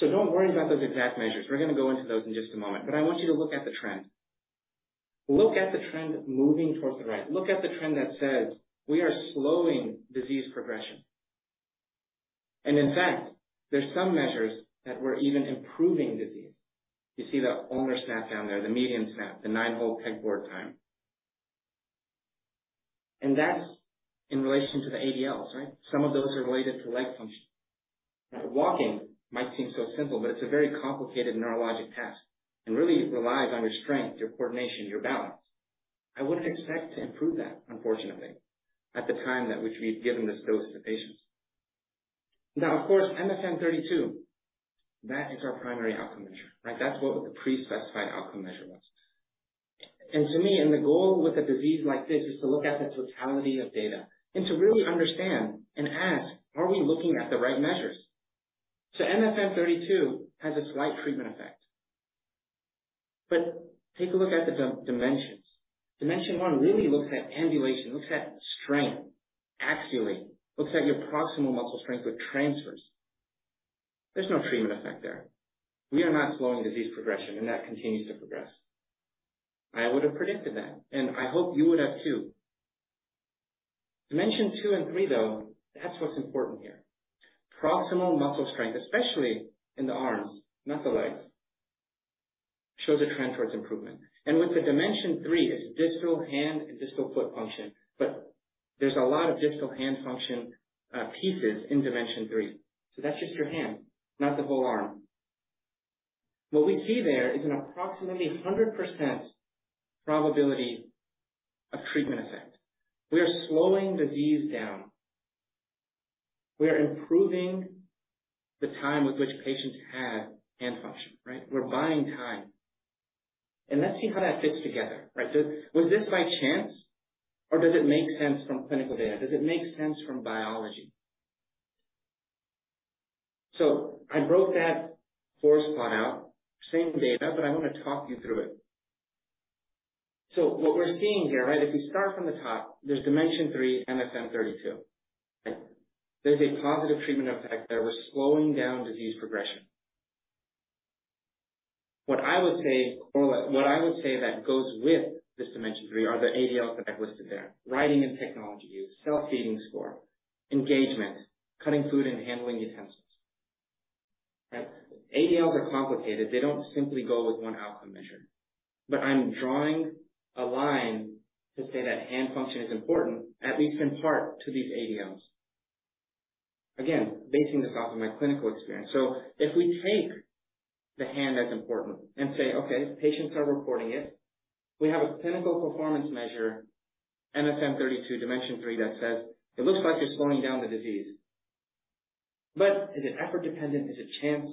E: Don't worry about those exact measures. We're going to go into those in just a moment, but I want you to look at the trend. Look at the trend moving towards the right. Look at the trend that says we are slowing disease progression. In fact, there's some measures that we're even improving disease. You see the ulnar SNAP down there, the median SNAP, the nine-hole pegboard time. That's in relation to the ADLs, right? Some of those are related to leg function. Now, walking might seem so simple, but it's a very complicated neurologic task and really relies on your strength, your coordination, your balance. I wouldn't expect to improve that, unfortunately, at the time that which we've given this dose to patients. Of course, MFM-32, that is our primary outcome measure. Right? That's what the pre-specified outcome measure was. The goal with a disease like this is to look at the totality of data and to really understand and ask: Are we looking at the right measures? MFM-32 has a slight treatment effect. Take a look at the dimensions. Dimension one really looks at ambulation, looks at strength. Axially, looks at your proximal muscle strength with transfers. There's no treatment effect there. We are not slowing disease progression, and that continues to progress. I would have predicted that, and I hope you would have, too. Dimension two and three, though, that's what's important here. Proximal muscle strength, especially in the arms, not the legs, shows a trend towards improvement. With the dimension three, it's distal hand and distal foot function, but there's a lot of distal hand function pieces in dimension three. That's just your hand, not the whole arm. What we see there is an approximately 100% probability of treatment effect. We are slowing disease down. We are improving the time with which patients have hand function, right? We're buying time. Let's see how that fits together, right? Was this by chance, or does it make sense from clinical data? Does it make sense from biology? I broke that force plot out, same data, but I want to talk you through it. What we're seeing here, right, if we start from the top, there's dimension three, MFM-32. There's a positive treatment effect there. We're slowing down disease progression. What I would say that goes with this dimension three are the ADLs that I've listed there. Writing and technology use, self-feeding score, engagement, cutting food, and handling utensils. Right? ADLs are complicated. They don't simply go with one outcome measure, but I'm drawing a line to say that hand function is important, at least in part to these ADLs. Again, basing this off of my clinical experience. If we take the hand as important and say, "Okay, patients are reporting it, we have a clinical performance measure, MFM-32, dimension three, that says it looks like you're slowing down the disease." Is it effort dependent? Is it chance?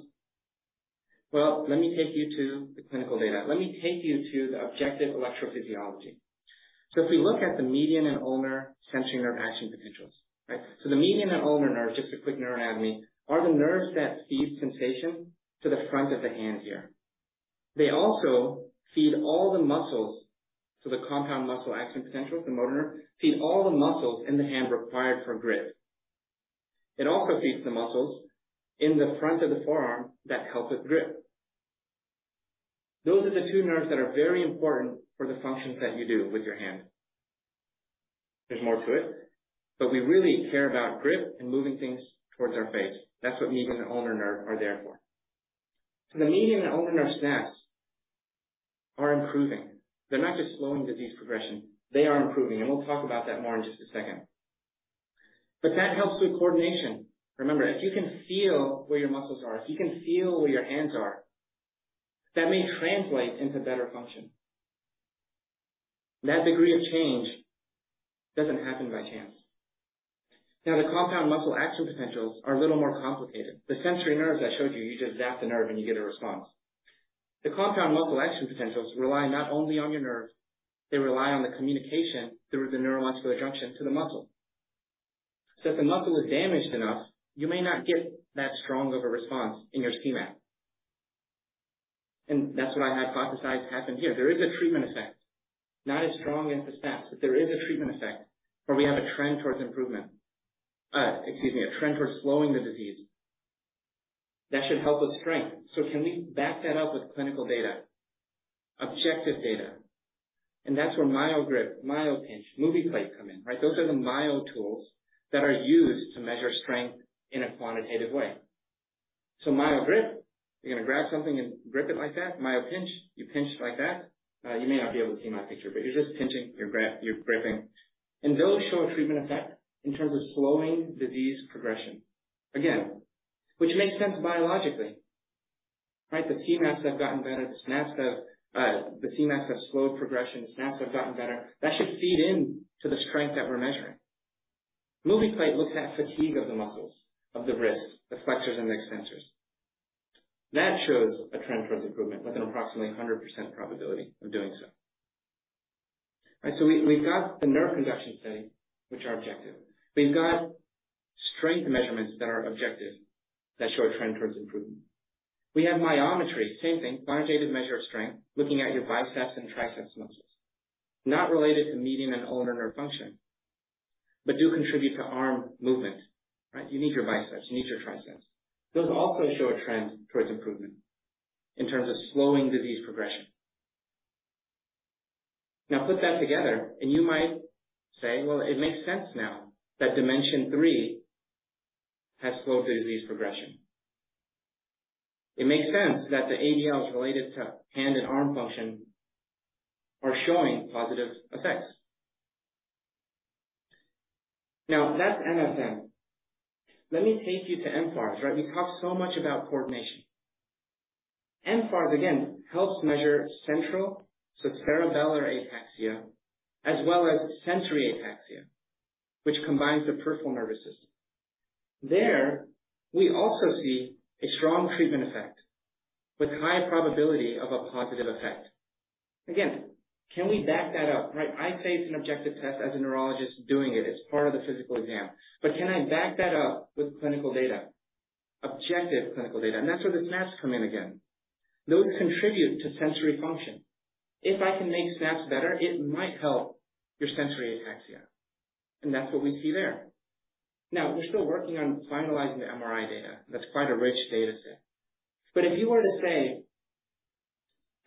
E: Well, let me take you to the clinical data. Let me take you to the objective electrophysiology. If we look at the median and ulnar sensory nerve action potentials, right? The median and ulnar nerve, just a quick neuroanatomy, are the nerves that feed sensation to the front of the hand here. They also feed all the muscles to the compound muscle action potentials. The motor nerve feed all the muscles in the hand required for grip. It also feeds the muscles in the front of the forearm that help with grip. Those are the two nerves that are very important for the functions that you do with your hand. There's more to it, but we really care about grip and moving things towards our face. That's what median and ulnar nerve are there for. The median and ulnar nerve SNAPs are improving. They're not just slowing disease progression, they are improving, and we'll talk about that more in just a second. That helps with coordination. Remember, if you can feel where your muscles are, if you can feel where your hands are, that may translate into better function. That degree of change doesn't happen by chance. Now, the compound muscle action potentials are a little more complicated. The sensory nerves I showed you just zap the nerve, and you get a response. The compound muscle action potentials rely not only on your nerve, they rely on the communication through the neuromuscular junction to the muscle. If the muscle is damaged enough, you may not get that strong of a response in your CMAP. That's what I hypothesized happened here. There is a treatment effect, not as strong as the SNAPs, but there is a treatment effect where we have a trend towards improvement. Excuse me, a trend towards slowing the disease. That should help with strength. Can we back that up with clinical data, objective data? That's where MyoGrip, MyoPinch, MoviPlate come in, right? Those are the myo tools that are used to measure strength in a quantitative way. MyoGrip, you're gonna grab something and grip it like that. MyoPinch, you pinch like that. You may not be able to see my picture, but you're just pinching, you're gripping. Those show a treatment effect in terms of slowing disease progression. Again, which makes sense biologically, right? The CMAPs have gotten better. The SNAPs have, the CMAPs have slowed progression. The SNAPs have gotten better. That should feed in to the strength that we're measuring. MoviPlate looks at fatigue of the muscles of the wrist, the flexors and the extensors. That shows a trend towards improvement with an approximately 100% probability of doing so. Right, we've got the nerve conduction studies, which are objective. We've got strength measurements that are objective, that show a trend towards improvement. We have myometry, same thing, quantitative measure of strength, looking at your biceps and triceps muscles, not related to median and ulnar nerve function, but do contribute to arm movement, right? You need your biceps, you need your triceps. Those also show a trend towards improvement in terms of slowing disease progression. Put that together and you might say, "Well, it makes sense now that Dimension three has slowed the disease progression." It makes sense that the ADLs related to hand and arm function are showing positive effects. That's MFM. Let me take you to mFARS, right? We talked so much about coordination. mFARS, again, helps measure central, so cerebellar ataxia, as well as sensory ataxia, which combines the peripheral nervous system. There, we also see a strong treatment effect with high probability of a positive effect. Can we back that up? Right. I say it's an objective test as a neurologist doing it. It's part of the physical exam, but can I back that up with clinical data, objective clinical data? That's where the SNAPs come in again. Those contribute to sensory function. If I can make SNAPs better, it might help your sensory ataxia, and that's what we see there. We're still working on finalizing the MRI data. That's quite a rich data set. If you were to say,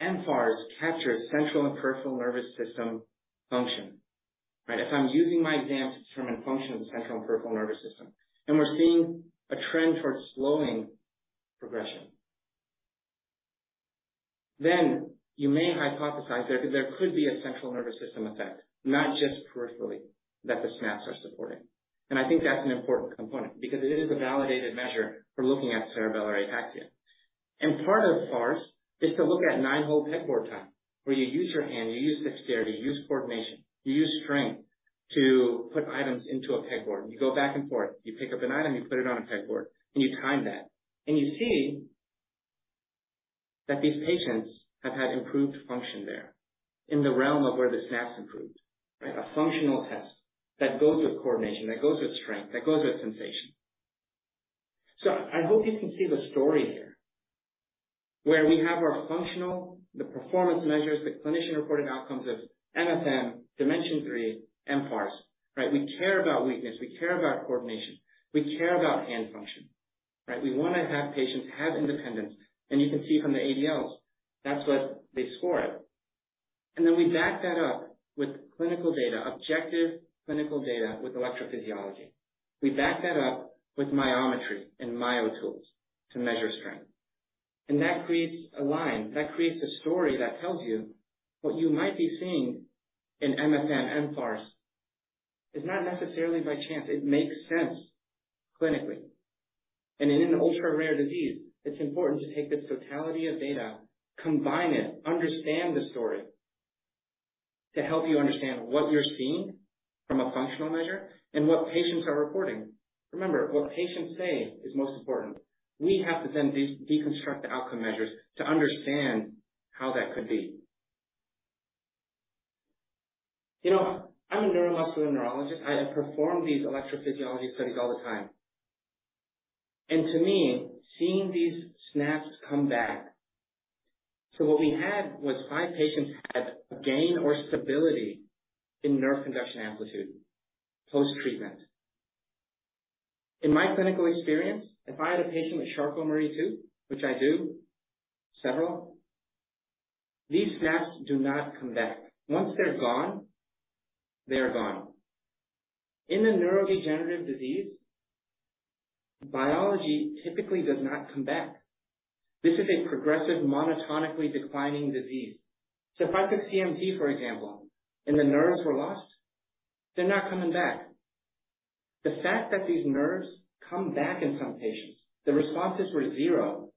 E: mFARS captures central and peripheral nervous system function, right? If I'm using my exams to determine function of the central and peripheral nervous system, and we're seeing a trend towards slowing progression, then you may hypothesize that there could be a central nervous system effect, not just peripherally, that the SNAPs are supporting. I think that's an important component because it is a validated measure for looking at cerebellar ataxia. Part of FARS is to look at nine-hole pegboard time, where you use your hand, you use dexterity, you use coordination, you use strength to put items into a pegboard. You go back and forth, you pick up an item, you put it on a pegboard, and you time that. You see that these patients have had improved function there in the realm of where the SNAPs improved, right? A functional test that goes with coordination, that goes with strength, that goes with sensation. I hope you can see the story here, where we have our functional, the performance measures, the clinician-reported outcomes of MFM, Dimension three, mFARS, right? We care about weakness, we care about coordination, we care about hand function, right? We wanna have patients have independence. You can see from the ADLs, that's what they score it. Then we back that up with clinical data, objective clinical data with electrophysiology. We back that up with myometry and myo tools to measure strength. That creates a line, that creates a story that tells you what you might be seeing in MFM, mFARS, is not necessarily by chance. It makes sense clinically. In an ultra-rare disease, it's important to take this totality of data, combine it, understand the story, to help you understand what you're seeing from a functional measure and what patients are reporting. Remember, what patients say is most important. We have to deconstruct the outcome measures to understand how that could be. You know, I'm a neuromuscular neurologist. I have performed these electrophysiology studies all the time, and to me, seeing these SNAPs come back. What we had was five patients had a gain or stability in nerve conduction amplitude post-treatment. In my clinical experience, if I had a patient with Charcot-Marie-Tooth, which I do, several, these SNAPs do not come back. Once they're gone, they're gone. In a neurodegenerative disease, biology typically does not come back. This is a progressive, monotonically declining disease. If I took CMT, for example, and the nerves were lost, they're not coming back. The fact that these nerves come back in some patients, the responses were zero,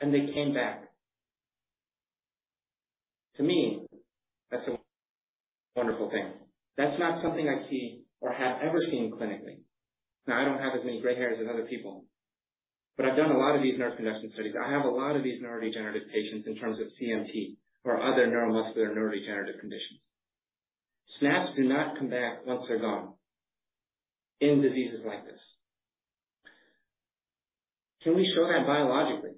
E: and they came back. To me, that's a wonderful thing. That's not something I see or have ever seen clinically. I don't have as many gray hairs as other people, but I've done a lot of these nerve conduction studies. I have a lot of these neurodegenerative patients in terms of CMT or other neuromuscular neurodegenerative conditions. SNAPs do not come back once they're gone in diseases like this. Can we show that biologically?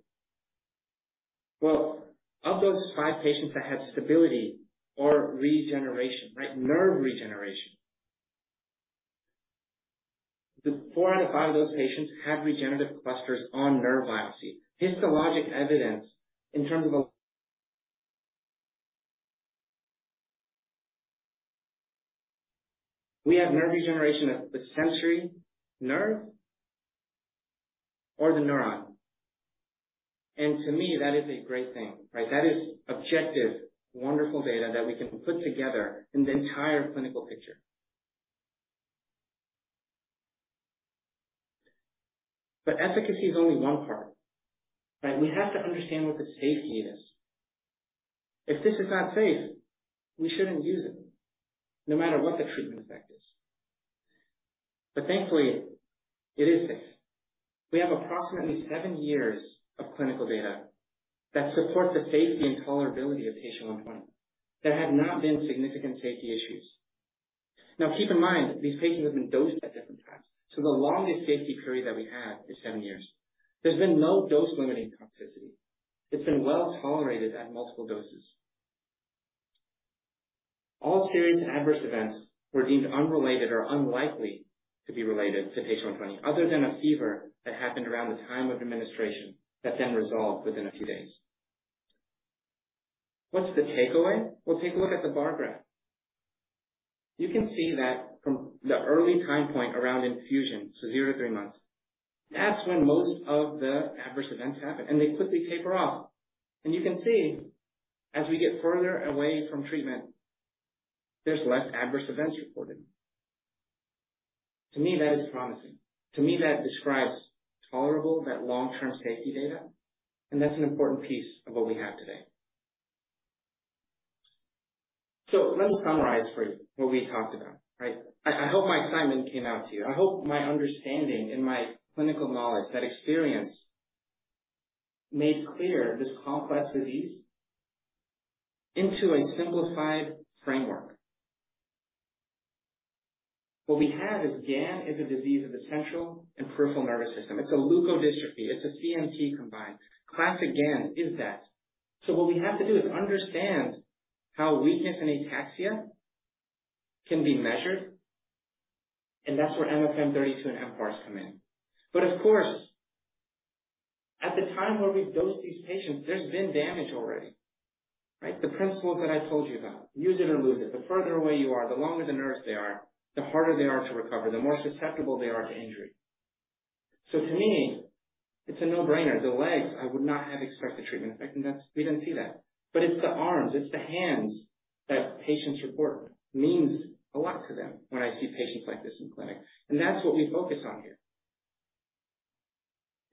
E: Well, of those five patients that had stability or regeneration, right, nerve regeneration, the four out of five of those patients had regenerative clusters on nerve biopsy. Histologic evidence in terms of We have nerve regeneration of the sensory nerve or the neuron. To me, that is a great thing, right? That is objective, wonderful data that we can put together in the entire clinical picture. Efficacy is only one part, right? We have to understand what the safety is. If this is not safe, we shouldn't use it, no matter what the treatment effect is. Thankfully, it is safe. We have approximately seven years of clinical data that support the safety and tolerability of TSHA-120. There have not been significant safety issues. Keep in mind that these patients have been dosed at different times, so the longest safety period that we have is seven years. There's been no dose-limiting toxicity. It's been well tolerated at multiple doses. All serious adverse events were deemed unrelated or unlikely to be related to TSHA-120, other than a fever that happened around the time of administration, that then resolved within a few days. What's the takeaway? Take a look at the bar graph. You can see that from the early time point around infusion, so zero to three months, that's when most of the adverse events happen and they quickly taper off. You can see as we get further away from treatment, there's less adverse events reported. To me, that is promising. To me, that describes tolerable, that long-term safety data, and that's an important piece of what we have today. Let me summarize for you what we talked about, right? I hope my assignment came out to you. I hope my understanding and my clinical knowledge, that experience, made clear this complex disease into a simplified framework. What we have is GAN is a disease of the central and peripheral nervous system. It's a leukodystrophy, it's a CMT combined. Classic GAN is that. What we have to do is understand how weakness and ataxia can be measured, and that's where MFM-32 and mFARS come in. Of course, at the time where we dose these patients, there's been damage already, right? The principles that I told you about, use it or lose it. The further away you are, the longer the nerves they are, the harder they are to recover, the more susceptible they are to injury. To me, it's a no-brainer. The legs, I would not have expected treatment effect. We didn't see that. It's the arms, it's the hands that patients report means a lot to them when I see patients like this in clinic, and that's what we focus on here.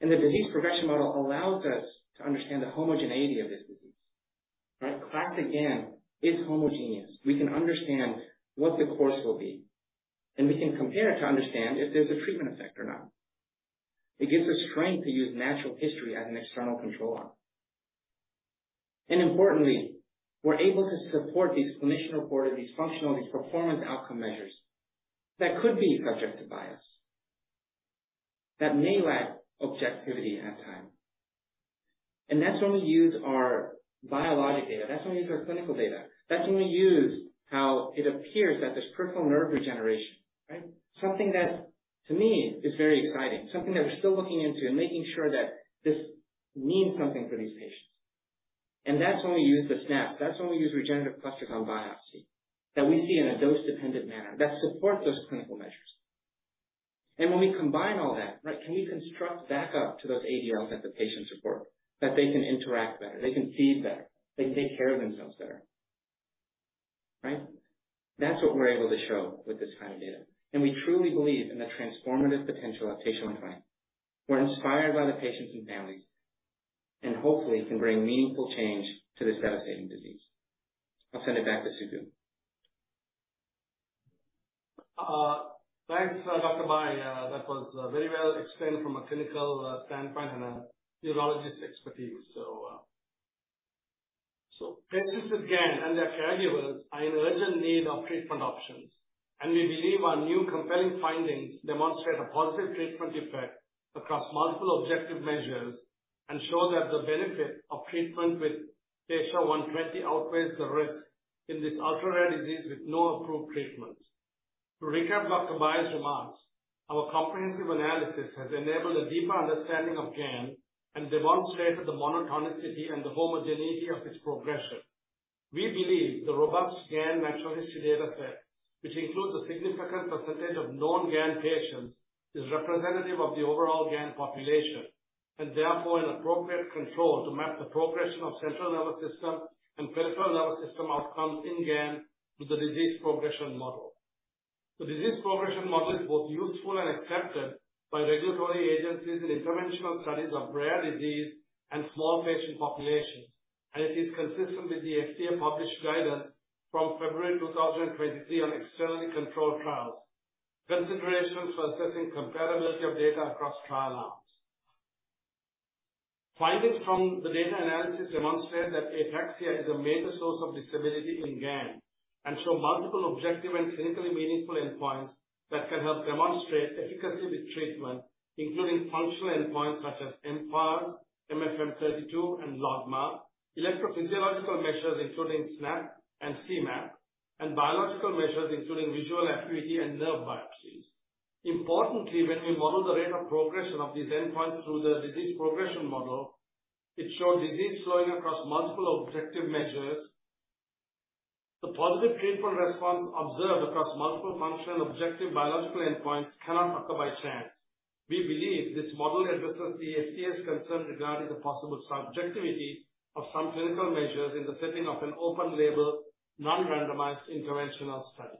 E: The disease progression model allows us to understand the homogeneity of this disease, right? Classic GAN is homogeneous. We can understand what the course will be, and we can compare to understand if there's a treatment effect or not. It gives us strength to use natural history as an external control arm. Importantly, we're able to support these clinician-reported, these functional, these performance outcome measures that could be subject to bias, that may lack objectivity at time. That's when we use our biologic data. That's when we use our clinical data. That's when we use how it appears that there's peripheral nerve regeneration, right? Something that to me is very exciting, something that we're still looking into and making sure that this means something for these patients. That's when we use the SNAP, that's when we use regenerative clusters on biopsy, that we see in a dose-dependent manner that support those clinical measures. When we combine all that, right, can we construct back up to those ADLs that the patients report, that they can interact better, they can feed better, they can take care of themselves better, right? That's what we're able to show with this kind of data, and we truly believe in the transformative potential of TSHA-120. We're inspired by the patients and families, and hopefully can bring meaningful change to this devastating disease. I'll send it back to Suku.
D: Thanks, Dr. Bhai. That was very well explained from a clinical standpoint and a neurologist expertise. Patients with GAN and their caregivers are in urgent need of treatment options, and we believe our new compelling findings demonstrate a positive treatment effect across multiple objective measures and show that the benefit of treatment with TSHA-120 outweighs the risk in this ultra-rare disease with no approved treatments. To recap Dr. Bhai's remarks, our comprehensive analysis has enabled a deeper understanding of GAN and demonstrated the monotonicity and the homogeneity of its progression. We believe the robust GAN natural history data set, which includes a significant percentage of known GAN patients, is representative of the overall GAN population, and therefore an appropriate control to map the progression of central nervous system and peripheral nervous system outcomes in GAN with the disease progression model. The disease progression model is both useful and accepted by regulatory agencies in interventional studies of rare disease and small patient populations. It is consistent with the FDA published guidance from February 2023 on externally controlled trials, considerations for assessing comparability of data across trial arms. Findings from the data analysis demonstrate that ataxia is a major source of disability in GAN and show multiple objective and clinically meaningful endpoints that can help demonstrate efficacy with treatment, including functional endpoints such as mFARS, MFM-32, and logMAR, electrophysiological measures including SNAP and CMAP, and biological measures including visual acuity and nerve biopsies. Importantly, when we model the rate of progression of these endpoints through the disease progression model, it showed disease slowing across multiple objective measures. The positive clinical response observed across multiple functional, objective, biological endpoints cannot occur by chance. We believe this model addresses the FDA's concern regarding the possible subjectivity of some clinical measures in the setting of an open label, non-randomized, interventional study.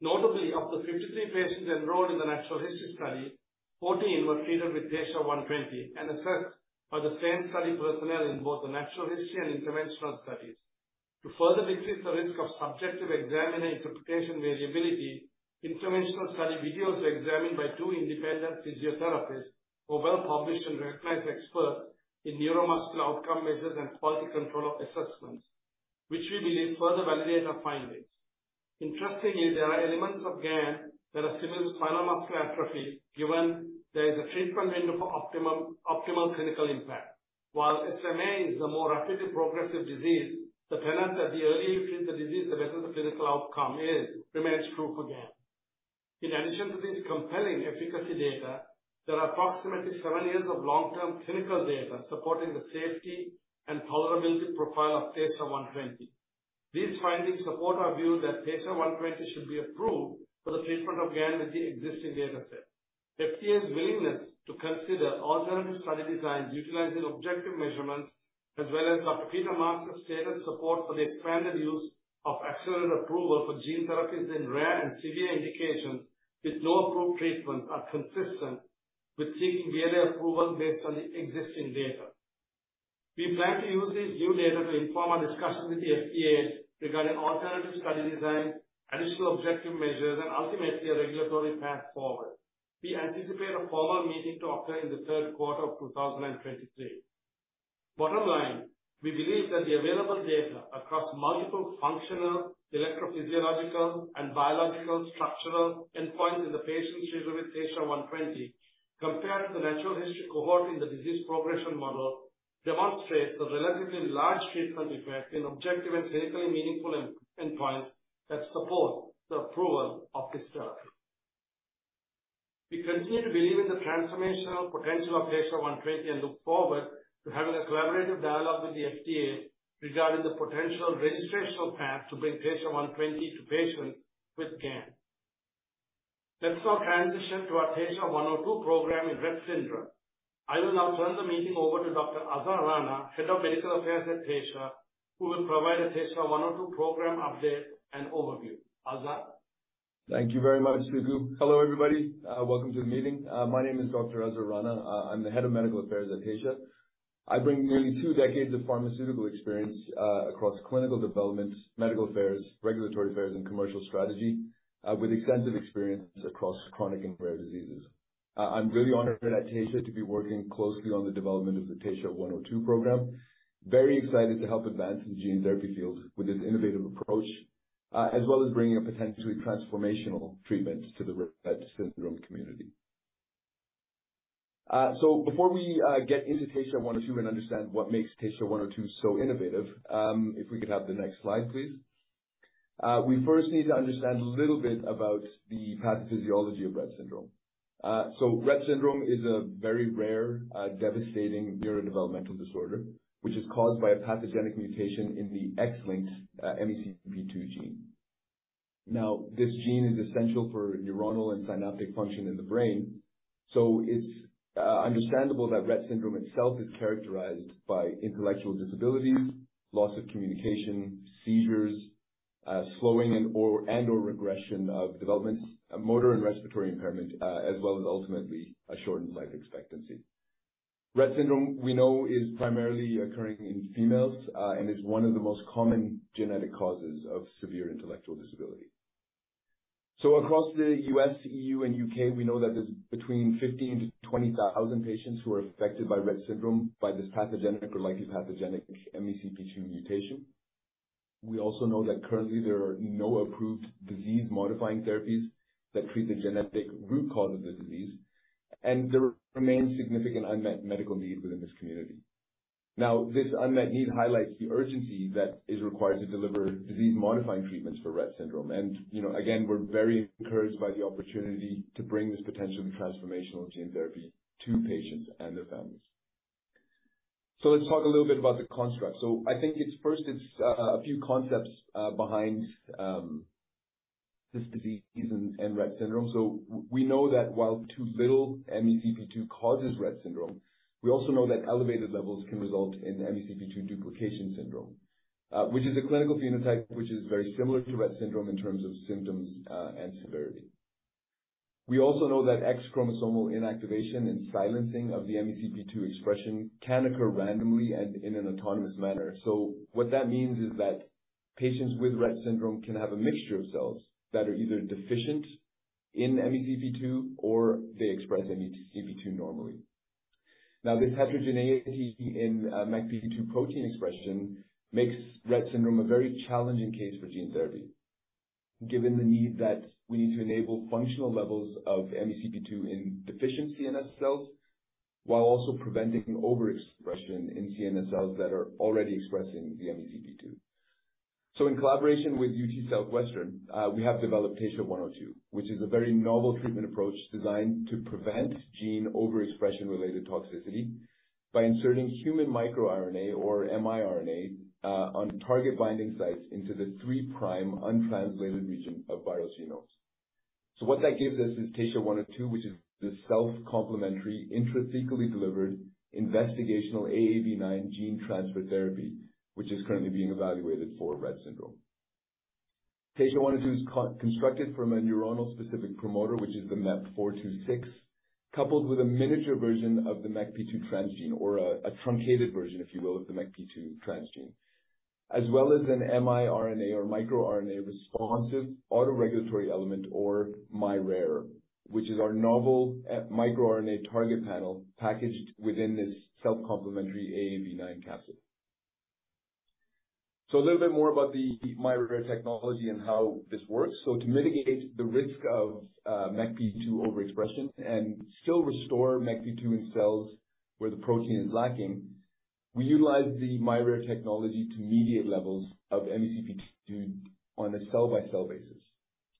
D: Notably, of the 53 patients enrolled in the natural history study, 14 were treated with TSHA-120 and assessed by the same study personnel in both the natural history and interventional studies. To further decrease the risk of subjective examiner interpretation variability, interventional study videos were examined by two independent physiotherapists who are well-published and recognized experts in neuromuscular outcome measures and quality control of assessments, which we believe further validate our findings. Interestingly, there are elements of GAN that are similar to spinal muscular atrophy, given there is a treatment window for optimal clinical impact. While SMA is a more rapidly progressive disease, the tenet that the earlier you treat the disease, the better the clinical outcome is, remains true for GAN. In addition to this compelling efficacy data, there are approximately seven years of long-term clinical data supporting the safety and tolerability profile of TSHA-120. These findings support our view that TSHA-120 should be approved for the treatment of GAN with the existing data set. FDA's willingness to consider alternative study designs utilizing objective measurements as well as our pre-determined status support for the expanded use of accelerated approval for gene therapies in rare and severe indications with no approved treatments, are consistent with seeking rare approval based on the existing data. We plan to use this new data to inform our discussions with the FDA regarding alternative study designs, additional objective measures, and ultimately a regulatory path forward. We anticipate a formal meeting to occur in the third quarter of 2023. Bottom line, we believe that the available data across multiple functional, electrophysiological, and biological structural endpoints in the patients treated with TSHA-120, compared to the natural history cohort in the disease progression model, demonstrates a relatively large treatment effect in objective and clinically meaningful endpoints that support the approval of this therapy. We continue to believe in the transformational potential of TSHA-120, and look forward to having a collaborative dialogue with the FDA regarding the potential registrational path to bring TSHA-120 to patients with GAN. Let's now transition to our Taysha 102 program in Rett syndrome. I will now turn the meeting over to Dr. Azar Rana, Head of Medical Affairs at Taysha, who will provide a Taysha 102 program update and overview. Azar?
F: Thank you very much, Suku. Hello, everybody. Welcome to the meeting. My name is Dr. Azar Rana. I'm the Head of Medical Affairs at Taysha. I bring nearly two decades of pharmaceutical experience across clinical development, medical affairs, regulatory affairs, and commercial strategy with extensive experience across chronic and rare diseases. I'm really honored here at Taysha to be working closely on the development of the TSHA-102 program. Very excited to help advance the gene therapy field with this innovative approach, as well as bringing a potentially transformational treatment to the Rett syndrome community. Before we get into TSHA-102 and understand what makes TSHA-102 so innovative, if we could have the next slide, please. We first need to understand a little bit about the pathophysiology of Rett syndrome. Rett syndrome is a very rare, devastating neurodevelopmental disorder, which is caused by a pathogenic mutation in the X-linked MECP2 gene. Now, this gene is essential for neuronal and synaptic function in the brain, so it's understandable that Rett syndrome itself is characterized by intellectual disabilities, loss of communication, seizures, slowing and/or regression of developments, motor and respiratory impairment, as well as ultimately a shortened life expectancy. Rett syndrome, we know, is primarily occurring in females, and is one of the most common genetic causes of severe intellectual disability. Across the U.S., E.U., and U.K., we know that there's between 15,000-20,000 patients who are affected by Rett syndrome, by this pathogenic or likely pathogenic MECP2 mutation. We also know that currently there are no approved disease-modifying therapies that treat the genetic root cause of the disease, and there remains significant unmet medical need within this community. This unmet need highlights the urgency that is required to deliver disease-modifying treatments for Rett syndrome. You know, again, we're very encouraged by the opportunity to bring this potentially transformational gene therapy to patients and their families. Let's talk a little bit about the construct. I think it's first, it's a few concepts behind this disease and Rett syndrome. We know that while too little MECP2 causes Rett syndrome, we also know that elevated levels can result in MECP2 duplication syndrome, which is a clinical phenotype, which is very similar to Rett syndrome in terms of symptoms and severity. We also know that X chromosome inactivation and silencing of the MECP2 expression can occur randomly and in an autonomous manner. What that means is that patients with Rett syndrome can have a mixture of cells that are either deficient in MECP2 or they express MECP2 normally. Now, this heterogeneity in MECP2 protein expression makes Rett syndrome a very challenging case for gene therapy, given the need that we need to enable functional levels of MECP2 in deficient CNS cells, while also preventing overexpression in CNS cells that are already expressing the MECP2. In collaboration with UT Southwestern, we have developed TSHA-102, which is a very novel treatment approach designed to prevent gene overexpression related toxicity by inserting human microRNA or miRNA on target binding sites into the three prime untranslated region of viral genomes. What that gives us is TSHA-102, which is this self-complementary, intrathecally delivered investigational AAV9 gene transfer therapy, which is currently being evaluated for Rett syndrome. TSHA-102 is constructed from a neuronal specific promoter, which is the MeP426, coupled with a miniature version of the MECP2 transgene, or a truncated version, if you will, of the MECP2 transgene, as well as an miRNA or microRNA responsive autoregulatory element, or miRare, which is our novel microRNA target panel packaged within this self-complementary AAV9 capsule. A little bit more about the miRare technology and how this works. To mitigate the risk of MECP2 overexpression and still restore MECP2 in cells where the protein is lacking, we utilize the miRare technology to mediate levels of MECP2 on a cell-by-cell basis.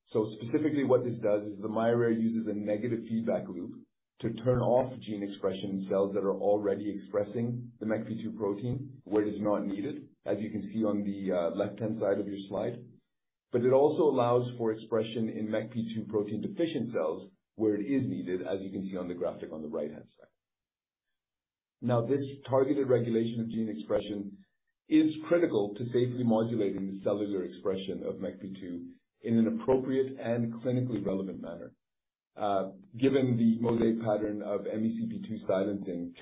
F: Specifically, what this does is the miRARE uses a negative feedback loop to turn off gene expression in cells that are already expressing the MECP2 protein, where it is not needed, as you can see on the left-hand side of your slide. It also allows for expression in MECP2 protein deficient cells, where it is needed, as you can see on the graphic on the right-hand side. Now, this targeted regulation of gene expression is critical to safely modulating the cellular expression of MECP2 in an appropriate and clinically relevant manner, given the mosaic pattern of MECP2 silencing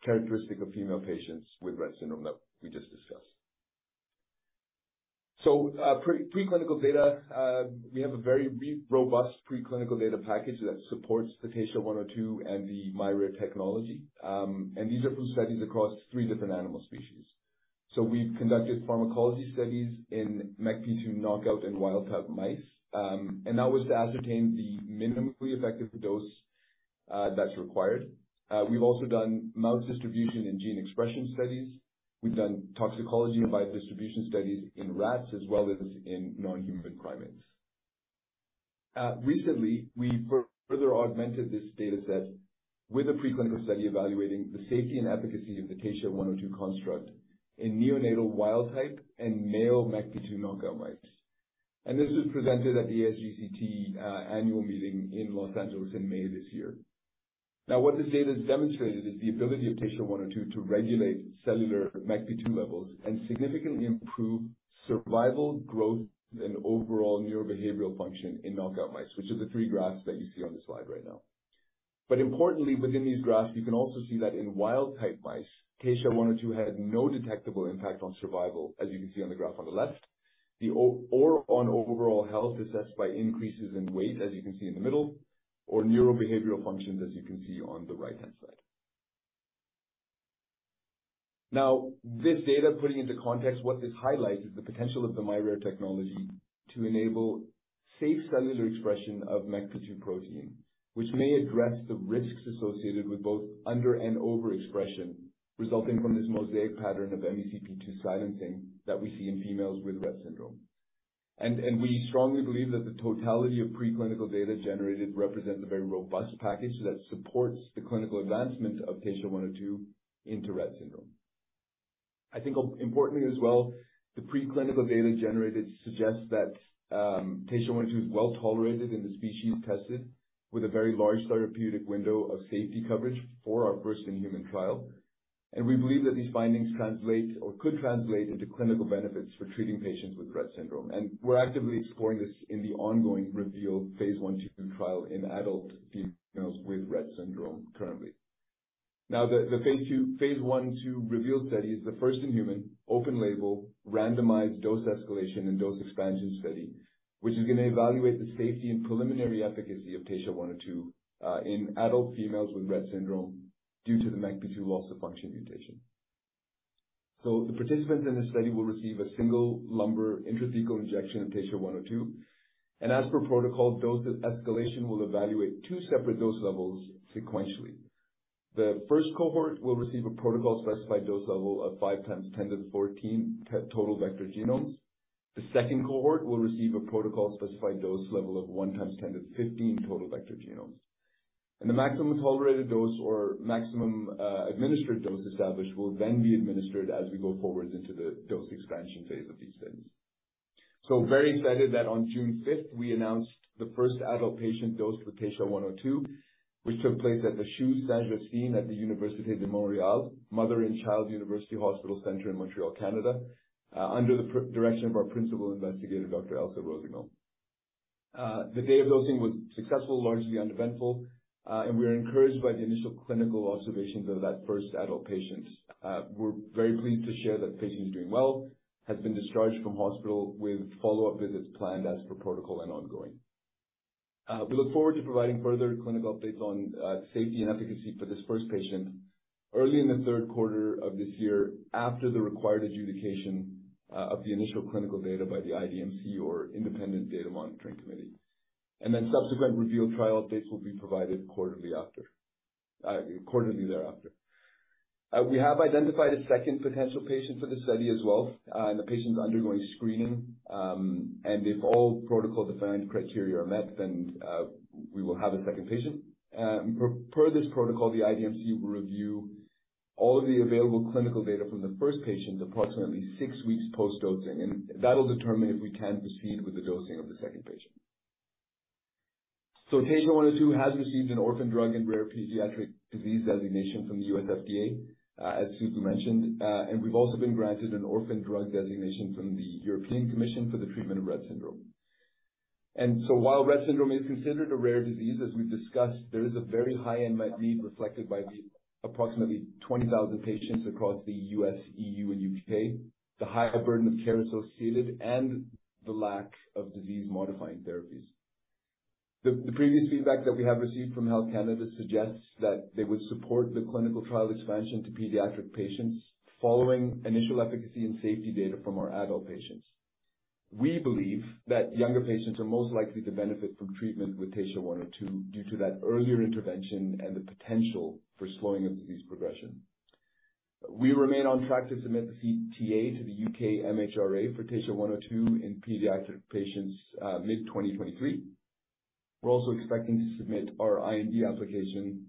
F: characteristic of female patients with Rett syndrome that we just discussed. Preclinical data, we have a very robust preclinical data package that supports the TSHA-102 and the miRARE technology. These are from studies across three different animal species. We've conducted pharmacology studies in MECP2 knockout and wild type mice, and that was to ascertain the minimally effective dose that's required. We've also done mouse distribution and gene expression studies. We've done toxicology and biodistribution studies in rats as well as in non-human primates. Recently, we further augmented this data set with a preclinical study evaluating the safety and efficacy of the TSHA-102 construct in neonatal wild type and male MECP2 knockout mice. This was presented at the ASGCT annual meeting in Los Angeles in May this year. What this data has demonstrated is the ability of TSHA-102 to regulate cellular MECP2 levels and significantly improve survival, growth, and overall neurobehavioral function in knockout mice, which are the three graphs that you see on the slide right now. Importantly, within these graphs, you can also see that in wild type mice, TSHA-102 had no detectable impact on survival, as you can see on the graph on the left, or on overall health assessed by increases in weight, as you can see in the middle, or neurobehavioral functions, as you can see on the right-hand side. This data, putting into context, what this highlights is the potential of the miRARE technology to enable safe cellular expression of MECP2 protein, which may address the risks associated with both under and overexpression, resulting from this mosaic pattern of MECP2 silencing that we see in females with Rett syndrome. We strongly believe that the totality of preclinical data generated represents a very robust package that supports the clinical advancement of TSHA-102 into Rett syndrome. I think importantly as well, the preclinical data generated suggests that TSHA-102 is well tolerated in the species tested with a very large therapeutic window of safety coverage for our first-in-human trial. We believe that these findings translate or could translate into clinical benefits for treating patients with Rett syndrome. We're actively exploring this in the ongoing REVEAL phase I/II trial in adult females with Rett syndrome currently. The phase I/II REVEAL study is the first-in-human, open-label, randomized dose escalation and dose expansion study, which is going to evaluate the safety and preliminary efficacy of TSHA-102 in adult females with Rett syndrome due to the MECP2 loss-of-function mutation. The participants in this study will receive a single lumbar intrathecal injection of TSHA-102, and as per protocol, dose escalation will evaluate two separate dose levels sequentially. The first cohort will receive a protocol-specified dose level of 5 x 10^14 total vector genomes. The second cohort will receive a protocol-specified dose level of 1 x 10^15 total vector genomes. The maximum tolerated dose or maximum administered dose established will then be administered as we go forwards into the dose expansion phase of these studies. Very excited that on June 5th, we announced the first adult patient dose for TSHA-102, which took place at the CHU Sainte-Justine at the Université de Montréal, Mother and Child University Hospital Center in Montreal, Canada, under the direction of our principal investigator, Dr. Elsa Rossignol. The day of dosing was successful, largely uneventful, and we are encouraged by the initial clinical observations of that first adult patient. We're very pleased to share that the patient is doing well, has been discharged from hospital with follow-up visits planned as per protocol and ongoing. We look forward to providing further clinical updates on safety and efficacy for this first patient early in the third quarter of this year, after the required adjudication of the initial clinical data by the IDMC or Independent Data Monitoring Committee. Subsequent REVEAL trial updates will be provided quarterly after quarterly thereafter. We have identified a second potential patient for this study as well. And the patient's undergoing screening. If all protocol-defined criteria are met, then we will have a second patient. Per this protocol, the IDMC will review all of the available clinical data from the first patient approximately 6 weeks post-dosing, and that'll determine if we can proceed with the dosing of the second patient. TSHA-102 has received an Orphan Drug and Rare Pediatric Disease Designation from the FDA, as Suku mentioned. We've also been granted an Orphan Drug Designation from the European Commission for the treatment of Rett syndrome. While Rett syndrome is considered a rare disease, as we've discussed, there is a very high unmet need, reflected by the approximately 20,000 patients across the U.S., EU, and U.K., the high burden of care associated, and the lack of disease-modifying therapies. The previous feedback that we have received from Health Canada suggests that they would support the clinical trial expansion to pediatric patients following initial efficacy and safety data from our adult patients. We believe that younger patients are most likely to benefit from treatment with TSHA-102 due to that earlier intervention and the potential for slowing of disease progression. We remain on track to submit the CTA to the U.K. MHRA for TSHA-102 in pediatric patients, mid-2023. We're also expecting to submit our IND application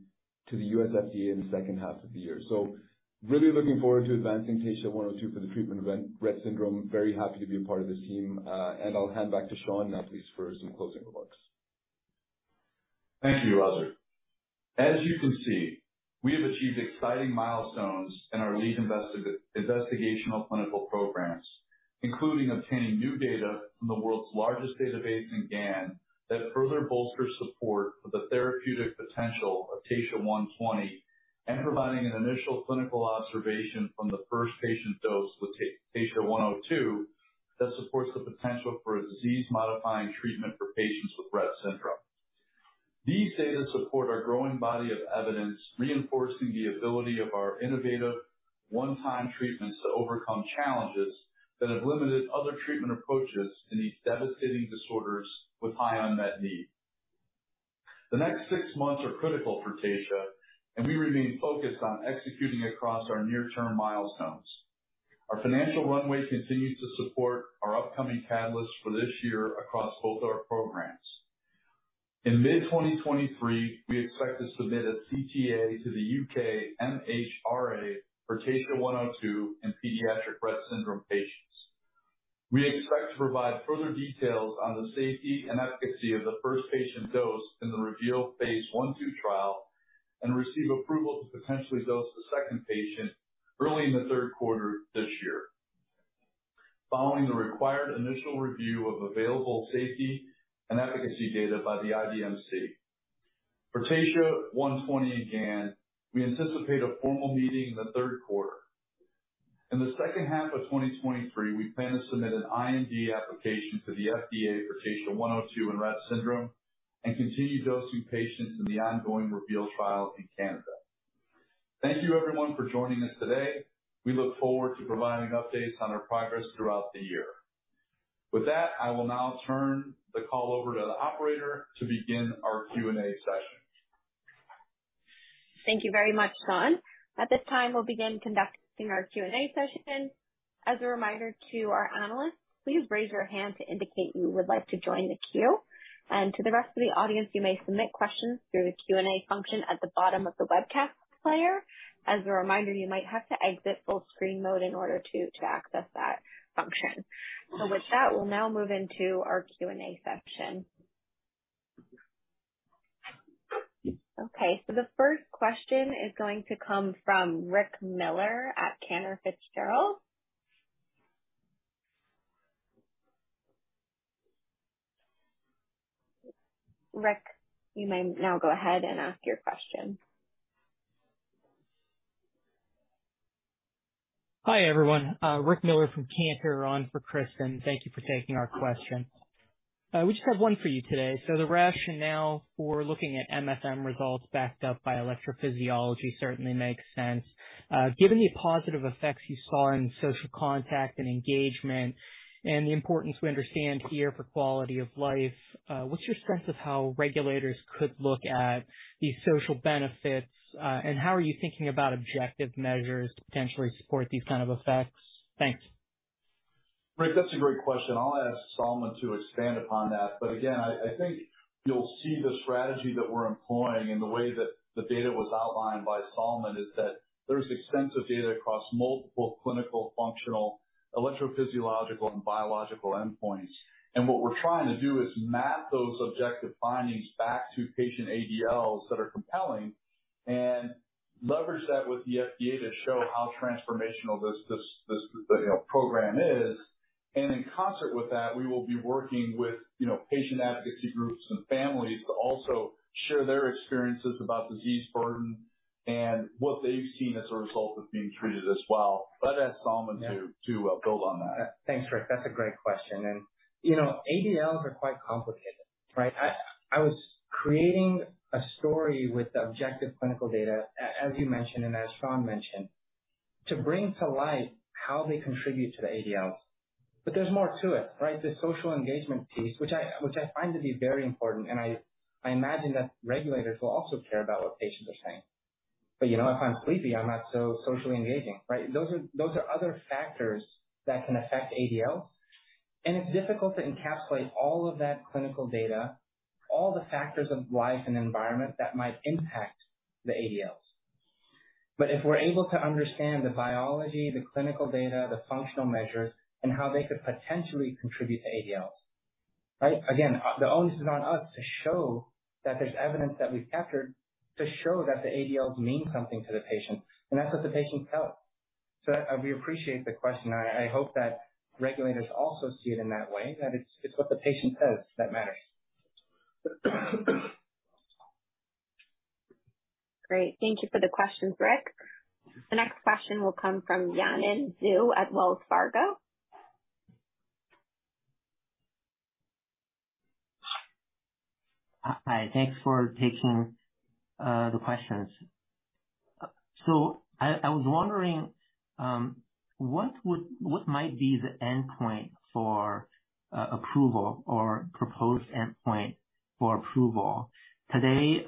F: to the U.S. FDA in the second half of the year. Really looking forward to advancing TSHA-102 for the treatment of Rett syndrome. Very happy to be a part of this team. And I'll hand back to Sean now, please, for some closing remarks.
C: Thank you, Azar. As you can see, we have achieved exciting milestones in our lead investigational clinical programs, including obtaining new data from the world's largest database in GAN, that further bolsters support for the therapeutic potential of TSHA-120, and providing an initial clinical observation from the first patient dose with TSHA-102, that supports the potential for a disease-modifying treatment for patients with Rett syndrome. These data support our growing body of evidence, reinforcing the ability of our innovative one-time treatments to overcome challenges that have limited other treatment approaches in these devastating disorders with high unmet need. The next six months are critical for Taysha, and we remain focused on executing across our near-term milestones. Our financial runway continues to support our upcoming catalysts for this year across both our programs. In mid-2023, we expect to submit a CTA to the UK MHRA for TSHA-102 in pediatric Rett syndrome patients. We expect to provide further details on the safety and efficacy of the first patient dose in the REVEAL phase I/II trial and receive approval to potentially dose the second patient early in the third quarter this year. Following the required initial review of available safety and efficacy data by the IDMC. For TSHA-120 in GAN, we anticipate a formal meeting in the third quarter. In the second half of 2023, we plan to submit an IND application to the FDA for TSHA-102 in Rett syndrome and continue dosing patients in the ongoing REVEAL trial in Canada. Thank you, everyone, for joining us today. We look forward to providing updates on our progress throughout the year. With that, I will now turn the call over to the operator to begin our Q&A session.
A: Thank you very much, Sean. At this time, we'll begin conducting our Q&A session. As a reminder to our analysts, please raise your hand to indicate you would like to join the queue. To the rest of the audience, you may submit questions through the Q&A function at the bottom of the webcast player. As a reminder, you might have to exit full screen mode in order to access that function. With that, we'll now move into our Q&A section. Okay, the first question is going to come from Rick Miller at Cantor Fitzgerald. Rick, you may now go ahead and ask your question.
G: Hi, everyone, Rick Miller, from Cantor, on for Kristen. Thank you for taking our question. We just have one for you today. The rationale for looking at MFM results backed up by electrophysiology certainly makes sense. Given the positive effects you saw in social contact and engagement and the importance we understand here for quality of life, what's your sense of how regulators could look at these social benefits? How are you thinking about objective measures to potentially support these kind of effects? Thanks.
C: Rick, that's a great question. I'll ask Salman to expand upon that. Again, I think you'll see the strategy that we're employing and the way that the data was outlined by Salman is that there's extensive data across multiple clinical, functional, electrophysiological and biological endpoints. What we're trying to do is map those objective findings back to patient ADLs that are compelling and leverage that with the FDA to show how transformational this, you know, program is. In concert with that, we will be working with, you know, patient advocacy groups and families to also share their experiences about disease burden and what they've seen as a result of being treated as well. Let ask Salman to build on that.
E: Thanks, Rick. That's a great question. You know, ADLs are quite complicated, right? I was creating a story with the objective clinical data, as you mentioned, and as Sean mentioned, to bring to light how they contribute to the ADLs. There's more to it, right? The social engagement piece, which I find to be very important, and I imagine that regulators will also care about what patients are saying. You know, if I'm sleepy, I'm not so socially engaging, right? Those are other factors that can affect ADLs, and it's difficult to encapsulate all of that clinical data, all the factors of life and environment that might impact the ADLs. If we're able to understand the biology, the clinical data, the functional measures, and how they could potentially contribute to ADLs, right? The onus is on us to show that there's evidence that we've captured to show that the ADLs mean something to the patients, and that's what the patients tell us. We appreciate the question. I hope that regulators also see it in that way, that it's what the patient says that matters.
A: Great. Thank you for the questions, Rick. The next question will come from Yanan Zhu at Wells Fargo.
H: Hi, thanks for taking the questions. I was wondering, what might be the endpoint for approval or proposed endpoint for approval? Today,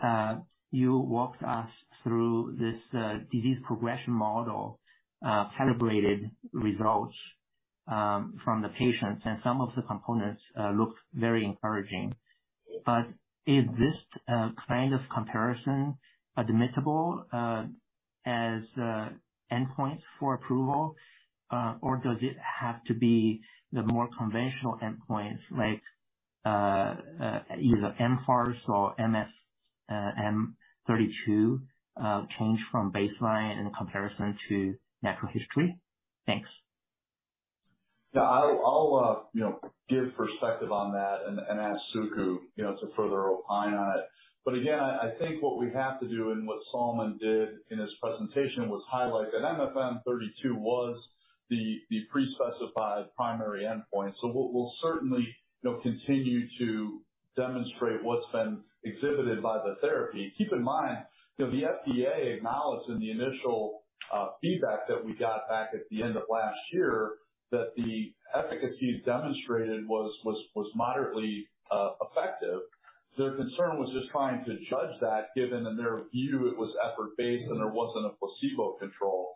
H: you walked us through this disease progression model, calibrated results from the patients, and some of the components looked very encouraging. Is this kind of comparison admissible as endpoints for approval? Does it have to be the more conventional endpoints, like either mFARS or MFM-32, change from baseline in comparison to natural history? Thanks.
C: I'll, you know, give perspective on that and ask Suku, you know, to further opine on it. Again, I think what we have to do and what Salman did in his presentation was highlight that MFM-32 was the pre-specified primary endpoint. We'll certainly, you know, continue to demonstrate what's been exhibited by the therapy. Keep in mind, you know, the FDA acknowledged in the initial feedback that we got back at the end of last year that the efficacy demonstrated was moderately effective. Their concern was just trying to judge that, given in their view, it was effort-based and there wasn't a placebo control.